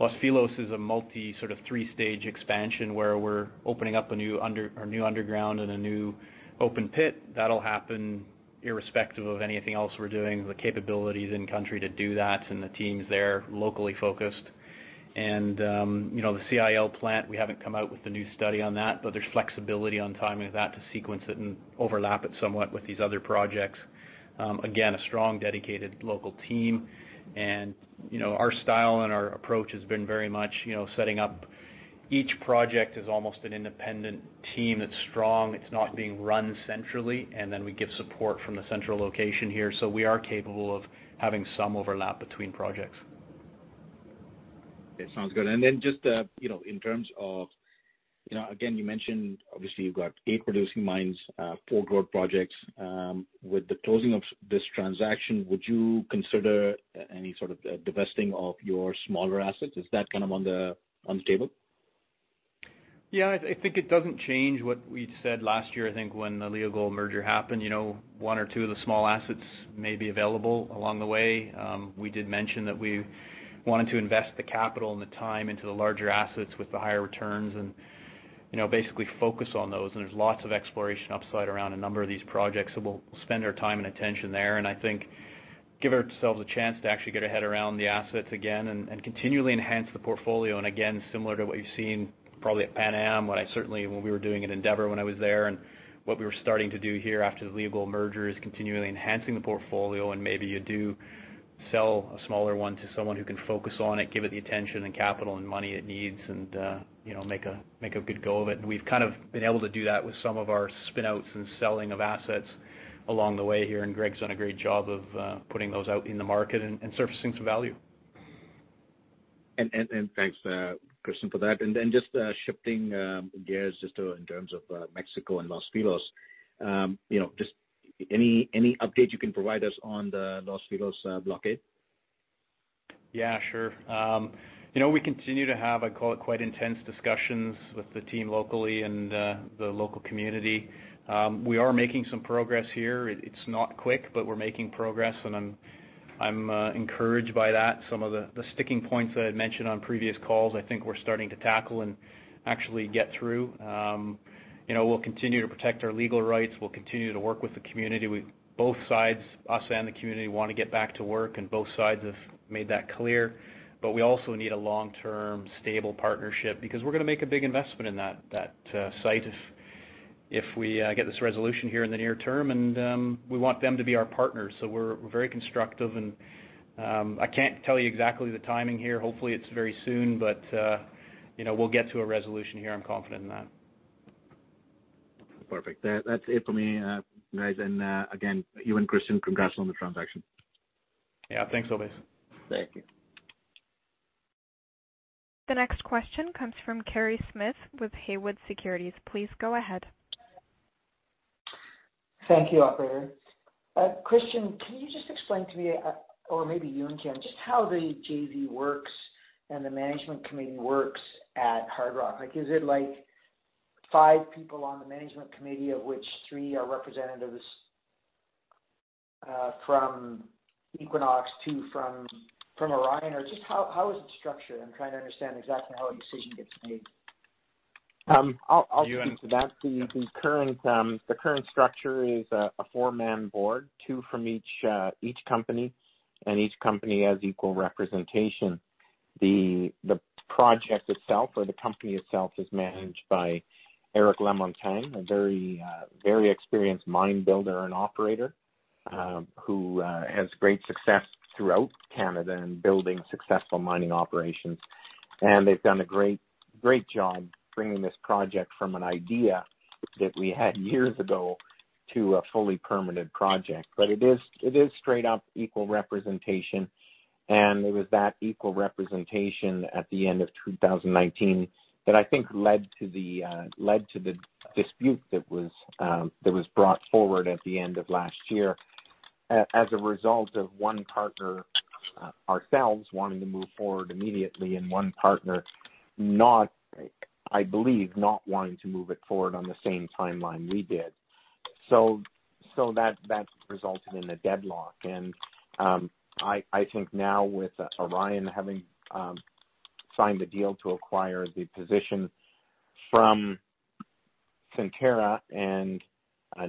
Los Filos is a multi three-stage expansion where we're opening up a new underground and a new open pit. That'll happen irrespective of anything else we're doing, the capabilities in country to do that, and the teams there locally focused. The CIL plant, we haven't come out with the new study on that, but there's flexibility on timing of that to sequence it and overlap it somewhat with these other projects. Again, a strong, dedicated local team. Our style and our approach has been very much setting up each project as almost an independent team that's strong, it's not being run centrally, and then we give support from the central location here. We are capable of having some overlap between projects. Okay, sounds good. Just in terms of, again, you mentioned, obviously, you've got eight producing mines, four growth projects. With the closing of this transaction, would you consider any sort of divesting of your smaller assets? Is that on the table? I think it doesn't change what we said last year, I think when the Leagold merger happened. One or two of the small assets may be available along the way. We did mention that we wanted to invest the capital and the time into the larger assets with the higher returns and basically focus on those. There's lots of exploration upside around a number of these projects, so we'll spend our time and attention there. I think give ourselves a chance to actually get our head around the assets again and continually enhance the portfolio. Again, similar to what you've seen probably at Pan Am, certainly when we were doing at Endeavour when I was there, and what we were starting to do here after the Leagold merger, is continually enhancing the portfolio. Maybe you do sell a smaller one to someone who can focus on it, give it the attention and capital and money it needs, and make a good go of it. We've kind of been able to do that with some of our spin-outs and selling of assets along the way here, and Greg's done a great job of putting those out in the market and surfacing some value. Thanks, Christian, for that. Then just shifting gears in terms of Mexico and Los Filos. Any update you can provide us on the Los Filos blockade? Sure. We continue to have, I'd call it quite intense discussions with the team locally and the local community. We are making some progress here. It's not quick, but we're making progress, and I'm encouraged by that. Some of the sticking points that I'd mentioned on previous calls, I think we're starting to tackle and actually get through. We'll continue to protect our legal rights. We'll continue to work with the community. Both sides, us and the community, want to get back to work, and both sides have made that clear. We also need a long-term stable partnership because we're going to make a big investment in that site if we get this resolution here in the near term, and we want them to be our partners. We're very constructive and I can't tell you exactly the timing here. Hopefully, it's very soon, but we'll get to a resolution here, I'm confident in that. Perfect. That's it for me, guys. Again, Ewan and Christian, congrats on the transaction. Yeah. Thanks, Ovais. Thank you. The next question comes from Kerry Smith with Haywood Securities. Please go ahead. Thank you, operator. Christian, can you just explain to me, or maybe you and, just how the JV works and the management committee works at Hardrock? Is it five people on the management committee of which three are representatives from Equinox, two from Orion? Or just how is it structured? I am trying to understand exactly how a decision gets made. I'll speak to that. You and- The current structure is a four-man board, two from each company, and each company has equal representation. The project itself or the company itself is managed by Eric Lamontagne, a very experienced mine builder and operator, who has great success throughout Canada in building successful mining operations. They've done a great job bringing this project from an idea that we had years ago to a fully permitted project. It is straight up equal representation, and it was that equal representation at the end of 2019 that I think led to the dispute that was brought forward at the end of last year, as a result of one partner, ourselves, wanting to move forward immediately, and one partner, I believe, not wanting to move it forward on the same timeline we did. That resulted in a deadlock, and I think now with Orion having signed the deal to acquire the position from Centerra and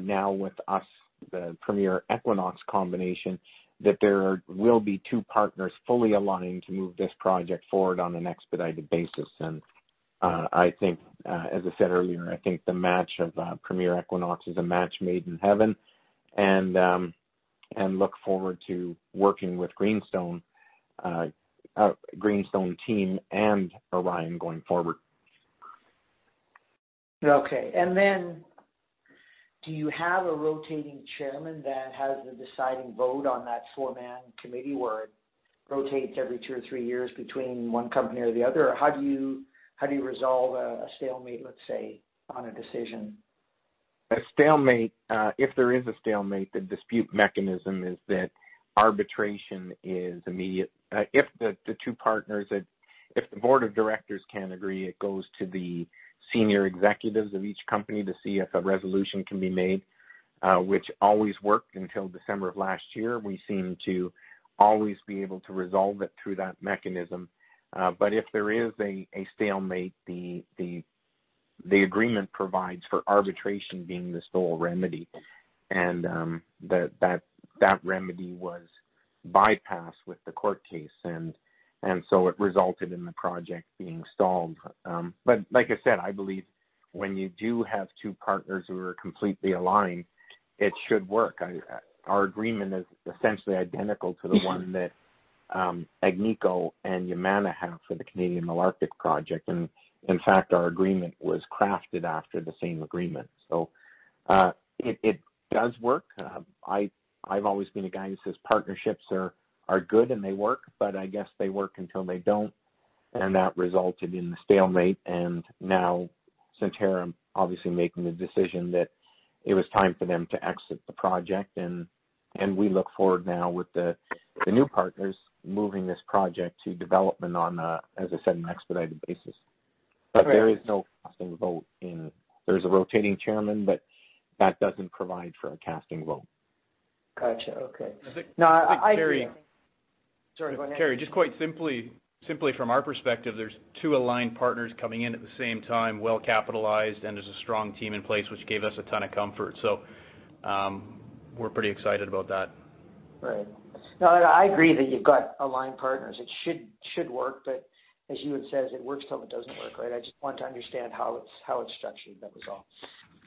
now with us, the Premier-Equinox combination, that there will be two partners fully aligning to move this project forward on an expedited basis. I think, as I said earlier, I think the match of Premier-Equinox is a match made in heaven, and look forward to working with Greenstone team and Orion going forward. Okay. Then do you have a rotating chairman that has the deciding vote on that four-man committee, where it rotates every two or three years between one company or the other? Or how do you resolve a stalemate, let's say, on a decision? A stalemate, if there is a stalemate, the dispute mechanism is that arbitration is immediate. If the two partners, if the Board of Directors can't agree, it goes to the Senior Executives of each company to see if a resolution can be made, which always worked until December of last year. We seem to always be able to resolve it through that mechanism. If there is a stalemate, the agreement provides for arbitration being the sole remedy. That remedy was bypassed with the court case, and so it resulted in the project being stalled. Like I said, I believe when you do have two partners who are completely aligned, it should work. Our agreement is essentially identical to the one that Agnico and Yamana have for the Canadian Malartic project. In fact, our agreement was crafted after the same agreement. It does work. I've always been a guy who says partnerships are good and they work, but I guess they work until they don't. That resulted in the stalemate and now Centerra obviously making the decision that it was time for them to exit the project and we look forward now with the new partners moving this project to development on a, as I said, an expedited basis. There is no casting vote in. There's a rotating chairman, but that doesn't provide for a casting vote. Got you. Okay. No, I hear you. Sorry, Kerry. Just quite simply from our perspective, there's two aligned partners coming in at the same time, well-capitalized, and there's a strong team in place, which gave us a ton of comfort. We're pretty excited about that. Right. No, I agree that you've got aligned partners, it should work, but as Ewan says, it works till it doesn't work, right? I just want to understand how it's structured, that was all.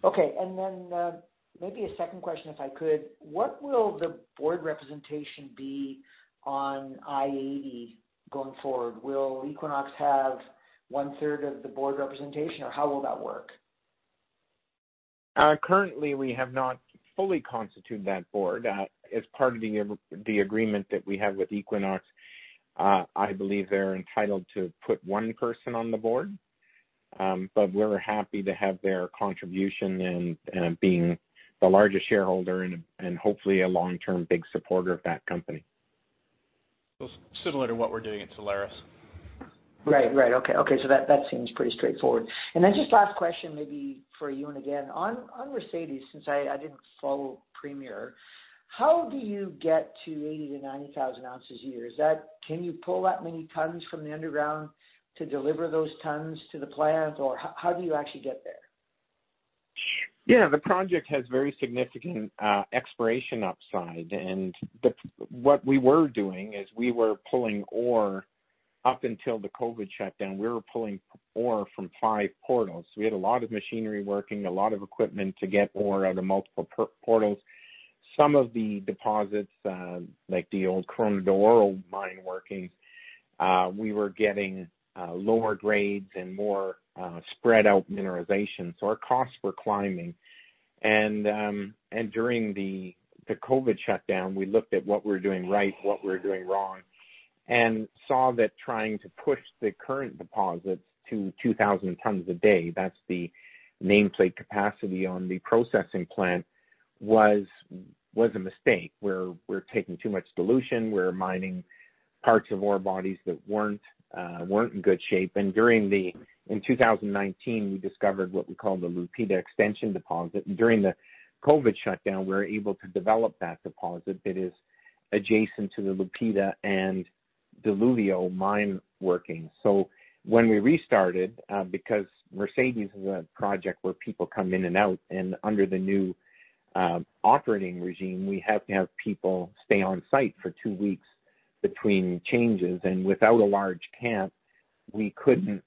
Okay. Then, maybe a second question if I could. What will the board representation be on i-80 going forward? Will Equinox have 1/3 of the board representation, or how will that work? Currently, we have not fully constituted that board. As part of the agreement that we have with Equinox, I believe they're entitled to put one person on the board. We're happy to have their contribution and being the largest shareholder and hopefully a long-term big supporter of that company. Similar to what we're doing at Solaris. Right. Okay. That seems pretty straightforward. Just last question maybe for Ewan again. On Mercedes, since I didn't follow Premier, how do you get to 80,000-90,000 oz a year? Can you pull that many tons from the underground to deliver those tons to the plant, or how do you actually get there? Yeah, the project has very significant exploration upside, what we were doing is we were pulling ore up until the COVID shutdown. We were pulling ore from five portals. We had a lot of machinery working, a lot of equipment to get ore out of multiple portals. Some of the deposits, like the old Corona de Oro mine working, we were getting lower grades and more spread-out mineralization. Our costs were climbing. During the COVID shutdown, we looked at what we were doing right, what we were doing wrong, and saw that trying to push the current deposits to 2,000 tons a day, that's the nameplate capacity on the processing plant, was a mistake, where we're taking too much dilution, we're mining parts of ore bodies that weren't in good shape. In 2019, we discovered what we call the Lupita Extension deposit, and during the COVID shutdown, we were able to develop that deposit that is adjacent to the Lupita and Diluvio mine working. When we restarted, because Mercedes is a project where people come in and out, and under the new operating regime, we have to have people stay on site for two weeks between changes. Without a large camp, we couldn't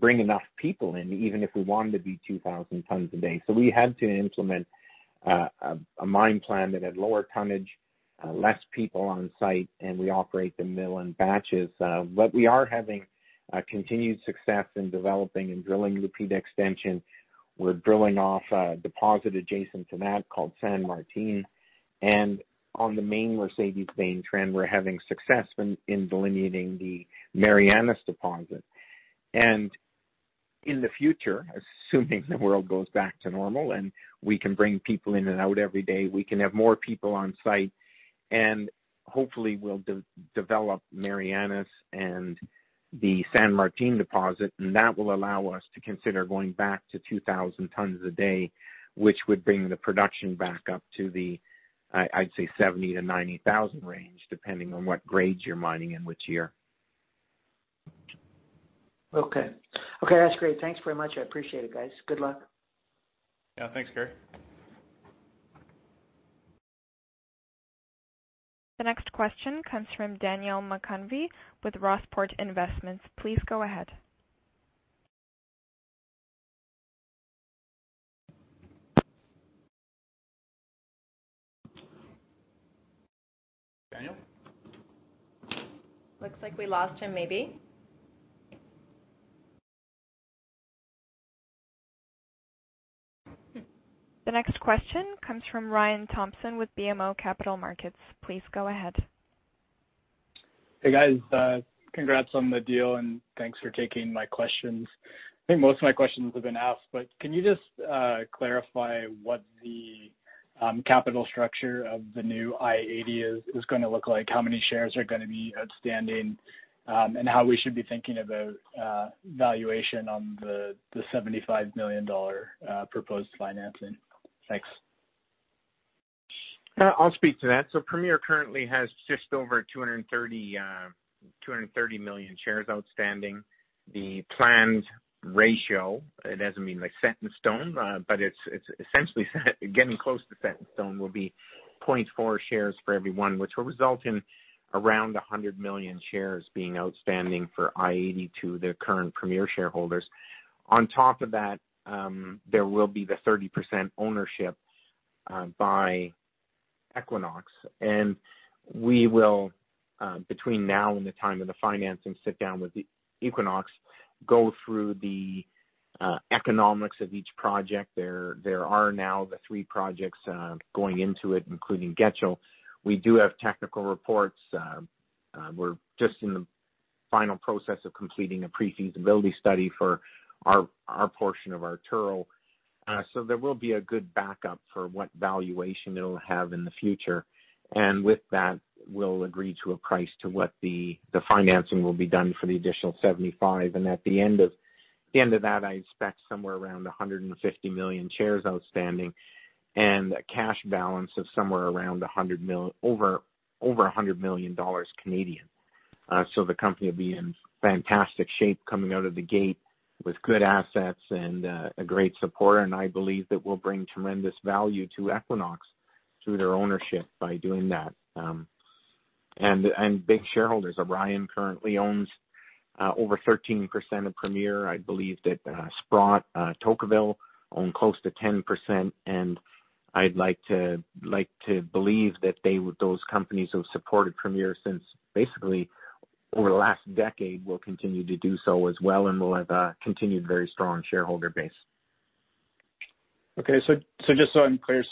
bring enough people in, even if we wanted to be 2,000 tons a day. We had to implement a mine plan that had lower tonnage, less people on site, and we operate the mill in batches. We are having continued success in developing and drilling Lupita Extension. We're drilling off a deposit adjacent to that called San Martin. On the main Mercedes main trend, we're having success in delineating the Marianas deposit. In the future, assuming the world goes back to normal and we can bring people in and out every day, we can have more people on site, and hopefully we'll develop Marianas and the San Martin deposit, and that will allow us to consider going back to 2,000 tons a day, which would bring the production back up to the, I'd say 70,000 oz-90,000 oz range, depending on what grades you're mining and which year. Okay. That's great. Thanks very much. I appreciate it, guys. Good luck. Yeah, thanks, Kerry. The next question comes from Daniel McConvey with RossPort Investments. Please go ahead. Daniel? Looks like we lost him maybe. The next question comes from Ryan Thompson with BMO Capital Markets. Please go ahead. Hey, guys. Congrats on the deal. Thanks for taking my questions. I think most of my questions have been asked, but can you just clarify what the capital structure of the new i-80 is going to look like? How many shares are going to be outstanding, and how we should be thinking about valuation on the $75 million proposed financing? Thanks. I'll speak to that. Premier currently has just over 230 million shares outstanding. The planned ratio, it doesn't mean like set in stone, but it's essentially set, getting close to set in stone will be 0.4 shares for every one, which will result in around 100 million shares being outstanding for i-80 to their current Premier shareholders. On top of that, there will be the 30% ownership by Equinox. We will, between now and the time of the financing, sit down with Equinox, go through the economics of each project. There are now the three projects going into it, including Getchell. We do have technical reports. We're just in the final process of completing a pre-feasibility study for our portion of Arturo. There will be a good backup for what valuation it'll have in the future. With that, we'll agree to a price to what the financing will be done for the additional $75 million. At the end of that, I expect somewhere around 150 million shares outstanding and a cash balance of somewhere around over 100 million dollars. The company will be in fantastic shape coming out of the gate with good assets and a great supporter, and I believe that will bring tremendous value to Equinox through their ownership by doing that. Big shareholders. Orion currently owns over 13% of Premier. I believe that Sprott, Tocqueville own close to 10%, and I'd like to believe that those companies who have supported Premier since basically over the last decade will continue to do so as well, and we'll have a continued very strong shareholder base. Okay. Just so I'm clear,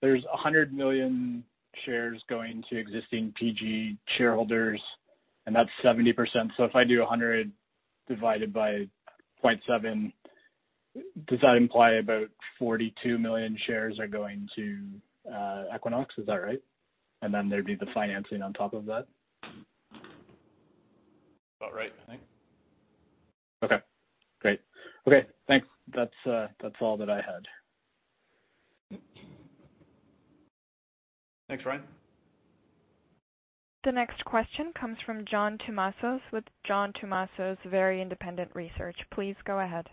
there's 100 million shares going to existing PG shareholders. That's 70%. If I do 100 divided by 0.7, does that imply about 42 million shares are going to Equinox? Is that right? Then there'd be the financing on top of that. About right, I think. Okay, great. Okay, thanks. That's all that I had. Thanks, Ryan. The next question comes from John Tumazos with John Tumazos Very Independent Research. Please go ahead.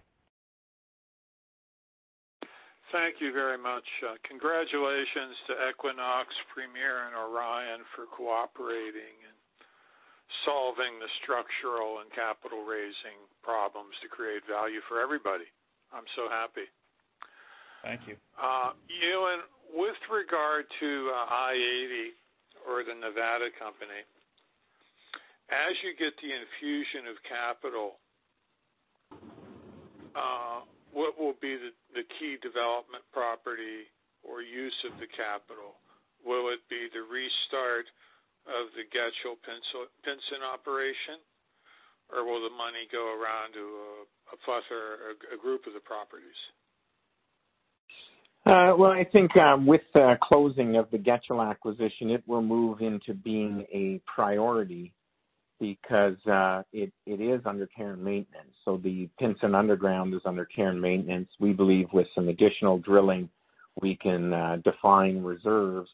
Thank you very much. Congratulations to Equinox, Premier, and Orion for cooperating and solving the structural and capital raising problems to create value for everybody. I'm so happy. Thank you. Ewan, with regard to i-80 or the Nevada company, as you get the infusion of capital, what will be the key development property or use of the capital? Will it be the restart of the Getchell Pinson operation, or will the money go around to a fusser or a group of the properties? I think, with the closing of the Getchell acquisition, it will move into being a priority because it is under care and maintenance. The Pinson underground is under care and maintenance. We believe with some additional drilling, we can define reserves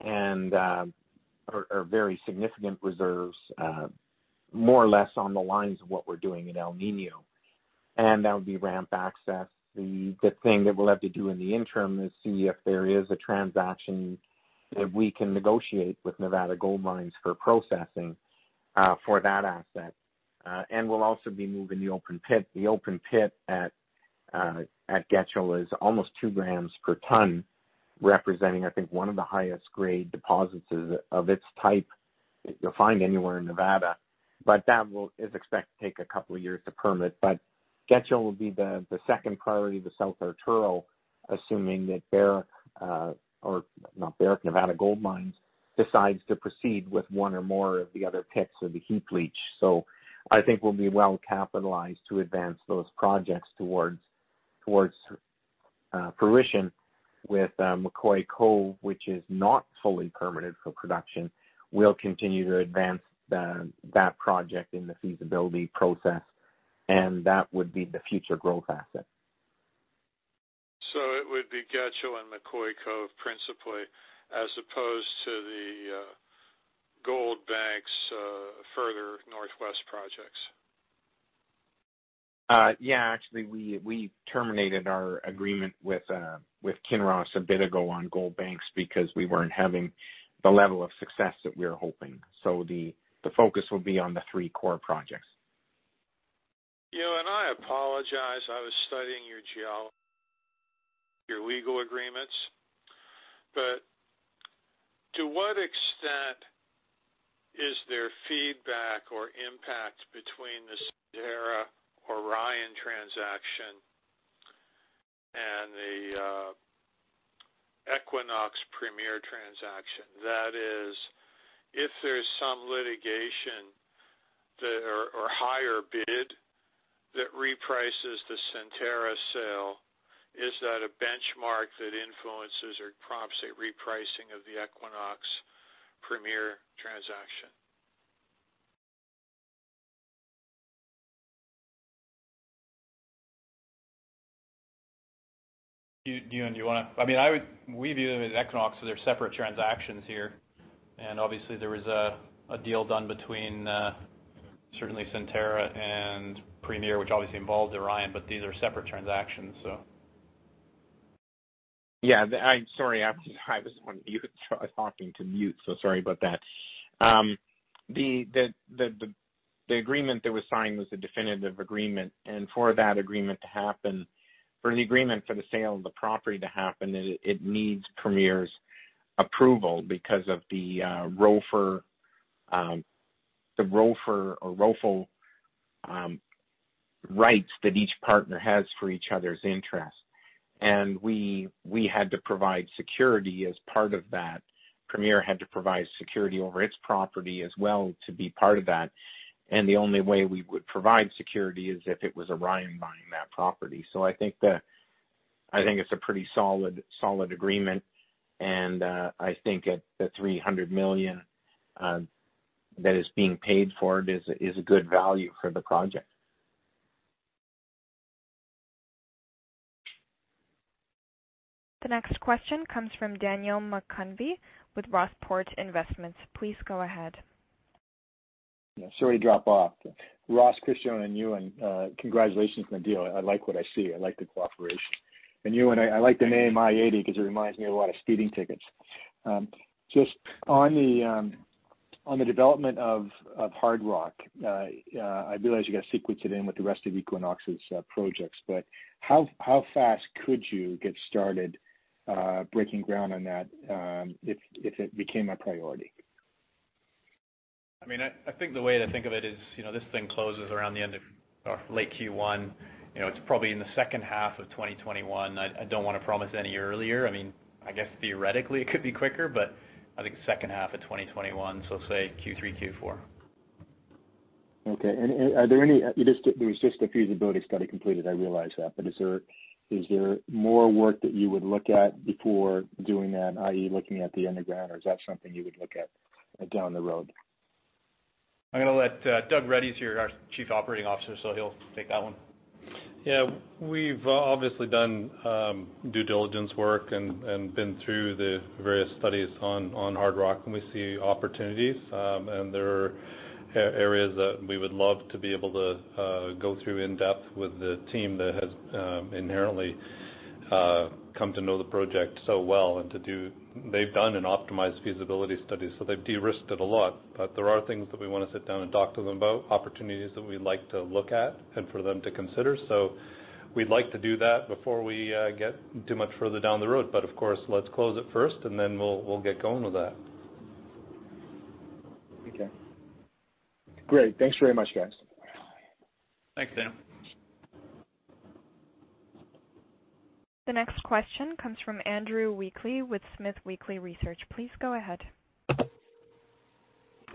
and, or very significant reserves, more or less on the lines of what we're doing in El Niño, and that would be ramp access. The thing that we'll have to do in the interim is see if there is a transaction that we can negotiate with Nevada Gold Mines for processing, for that asset. We'll also be moving the open pit. The open pit at Getchell is almost 2 g/t, representing, I think, one of the highest grade deposits of its type that you'll find anywhere in Nevada. That is expected to take a couple of years to permit. Getchell will be the second priority of the South Arturo, assuming that Nevada Gold Mines decides to proceed with one or more of the other pits of the heap leach. I think we'll be well-capitalized to advance those projects towards fruition with McCoy-Cove, which is not fully permitted for production. We'll continue to advance that project in the feasibility process. That would be the future growth asset. It would be Getchell and McCoy-Cove principally, as opposed to the Goldbanks further Northwest projects. Yeah, actually, we terminated our agreement with Kinross a bit ago on Goldbanks because we weren't having the level of success that we were hoping. The focus will be on the three core projects. Ewan, I apologize. I was studying your geology, your legal agreements. To what extent is there feedback or impact between the Centerra-Orion transaction and the Equinox-Premier transaction? That is, if there's some litigation or higher bid that reprices the Centerra sale, is that a benchmark that influences or prompts a repricing of the Equinox-Premier transaction? Ewan, We view them as Equinox, so they're separate transactions here. Obviously, there was a deal done between certainly Centerra and Premier, which obviously involved Orion, but these are separate transactions. Sorry, I was on mute. I was talking to mute, so sorry about that. The agreement that was signed was a definitive agreement. For that agreement to happen, for the agreement for the sale of the property to happen, it needs Premier's approval because of the ROFR or ROFO rights that each partner has for each other's interests. We had to provide security as part of that. Premier had to provide security over its property as well to be part of that. The only way we would provide security is if it was Orion buying that property. I think it's a pretty solid agreement and I think at the $300 million that is being paid for it is a good value for the project. The next question comes from Daniel McConvey with RossPort Investments. Please go ahead. Yeah. Sorry to drop off. Ross, Christian, and Ewan, congratulations on the deal. I like what I see. I like the cooperation. Ewan, I like the name i-80 because it reminds me of a lot of speeding tickets. Just on the development of Hardrock, I realize you guys sequenced it in with the rest of Equinox's projects, but how fast could you get started breaking ground on that if it became a priority? I think the way to think of it is, this thing closes around the end of late Q1. It's probably in the second half of 2021. I don't want to promise any earlier. I guess theoretically it could be quicker, but I think second half of 2021, so say Q3, Q4. Okay. There was just a feasibility study completed, I realize that, but is there more work that you would look at before doing that, i.e. looking at the underground, or is that something you would look at down the road? I'm going to let Doug Reddy here, our Chief Operating Officer, so he'll take that one. Yeah. We've obviously done due diligence work and been through the various studies on Hardrock, and we see opportunities. There are areas that we would love to be able to go through in depth with the team that has inherently come to know the project so well and They've done an optimized feasibility study, so they've de-risked it a lot. There are things that we want to sit down and talk to them about, opportunities that we'd like to look at and for them to consider. We'd like to do that before we get too much further down the road. Of course, let's close it first, and then we'll get going with that. Okay. Great. Thanks very much, guys. Thanks, Dan. The next question comes from Andrew Weekly with SmithWeekly Research. Please go ahead.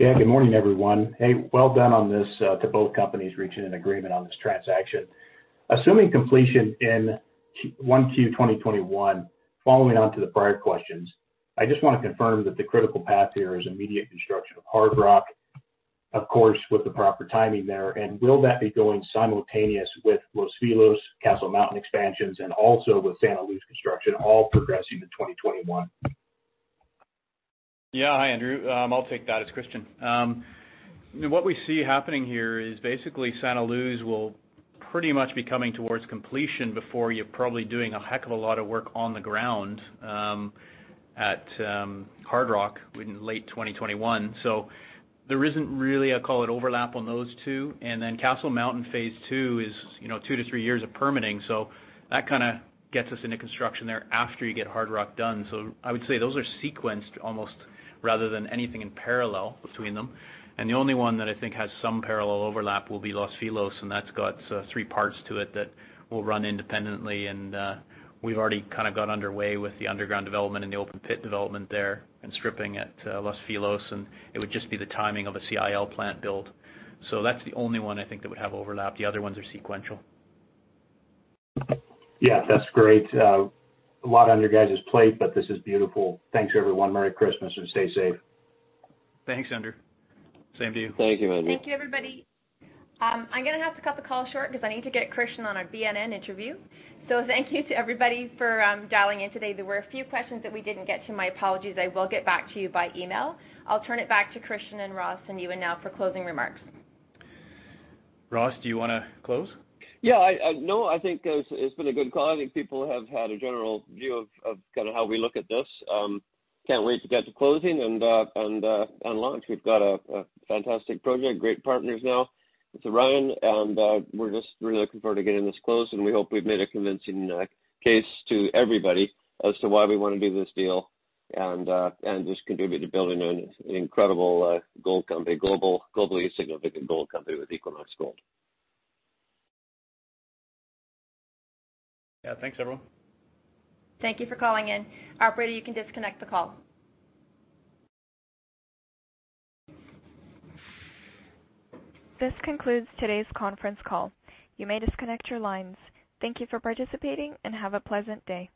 Yeah, good morning, everyone. Hey, well done on this to both companies reaching an agreement on this transaction. Assuming completion in 1Q 2021, following on to the prior questions, I just want to confirm that the critical path here is immediate construction of Hardrock, of course, with the proper timing there. Will that be going simultaneous with Los Filos, Castle Mountain expansions, and also with Santa Luz construction all progressing to 2021? Hi, Andrew. I'll take that. It's Christian. What we see happening here is basically Santa Luz will pretty much be coming towards completion before you're probably doing a heck of a lot of work on the ground at Hardrock in late 2021. There isn't really, I call it overlap on those two. Castle Mountain phase II is two to three years of permitting. That gets us into construction there after you get Hardrock done. I would say those are sequenced almost rather than anything in parallel between them. The only one that I think has some parallel overlap will be Los Filos, and that's got three parts to it that will run independently. We've already got underway with the underground development and the open pit development there and stripping at Los Filos, and it would just be the timing of a CIL plant build. That's the only one I think that would have overlap. The other ones are sequential. Yeah, that's great. A lot on your guys' plate, but this is beautiful. Thanks, everyone. Merry Christmas, and stay safe. Thanks, Andrew. Same to you. Thank you, Andrew. Thank you, everybody. I'm going to have to cut the call short because I need to get Christian on a BNN interview. Thank you to everybody for dialing in today. There were a few questions that we didn't get to. My apologies. I will get back to you by email. I'll turn it back to Christian and Ross and Ewan now for closing remarks. Ross, do you want to close? Yeah. No, I think it's been a good call. I think people have had a general view of how we look at this. Can't wait to get to closing and launch. We've got a fantastic project, great partners now with Orion, we're just really looking forward to getting this closed, we hope we've made a convincing case to everybody as to why we want to do this deal and just contribute to building an incredible gold company, globally significant gold company with Equinox Gold. Yeah. Thanks, everyone. Thank you for calling in. Operator, you can disconnect the call. This concludes today's conference call. You may disconnect your lines. Thank you for participating, and have a pleasant day.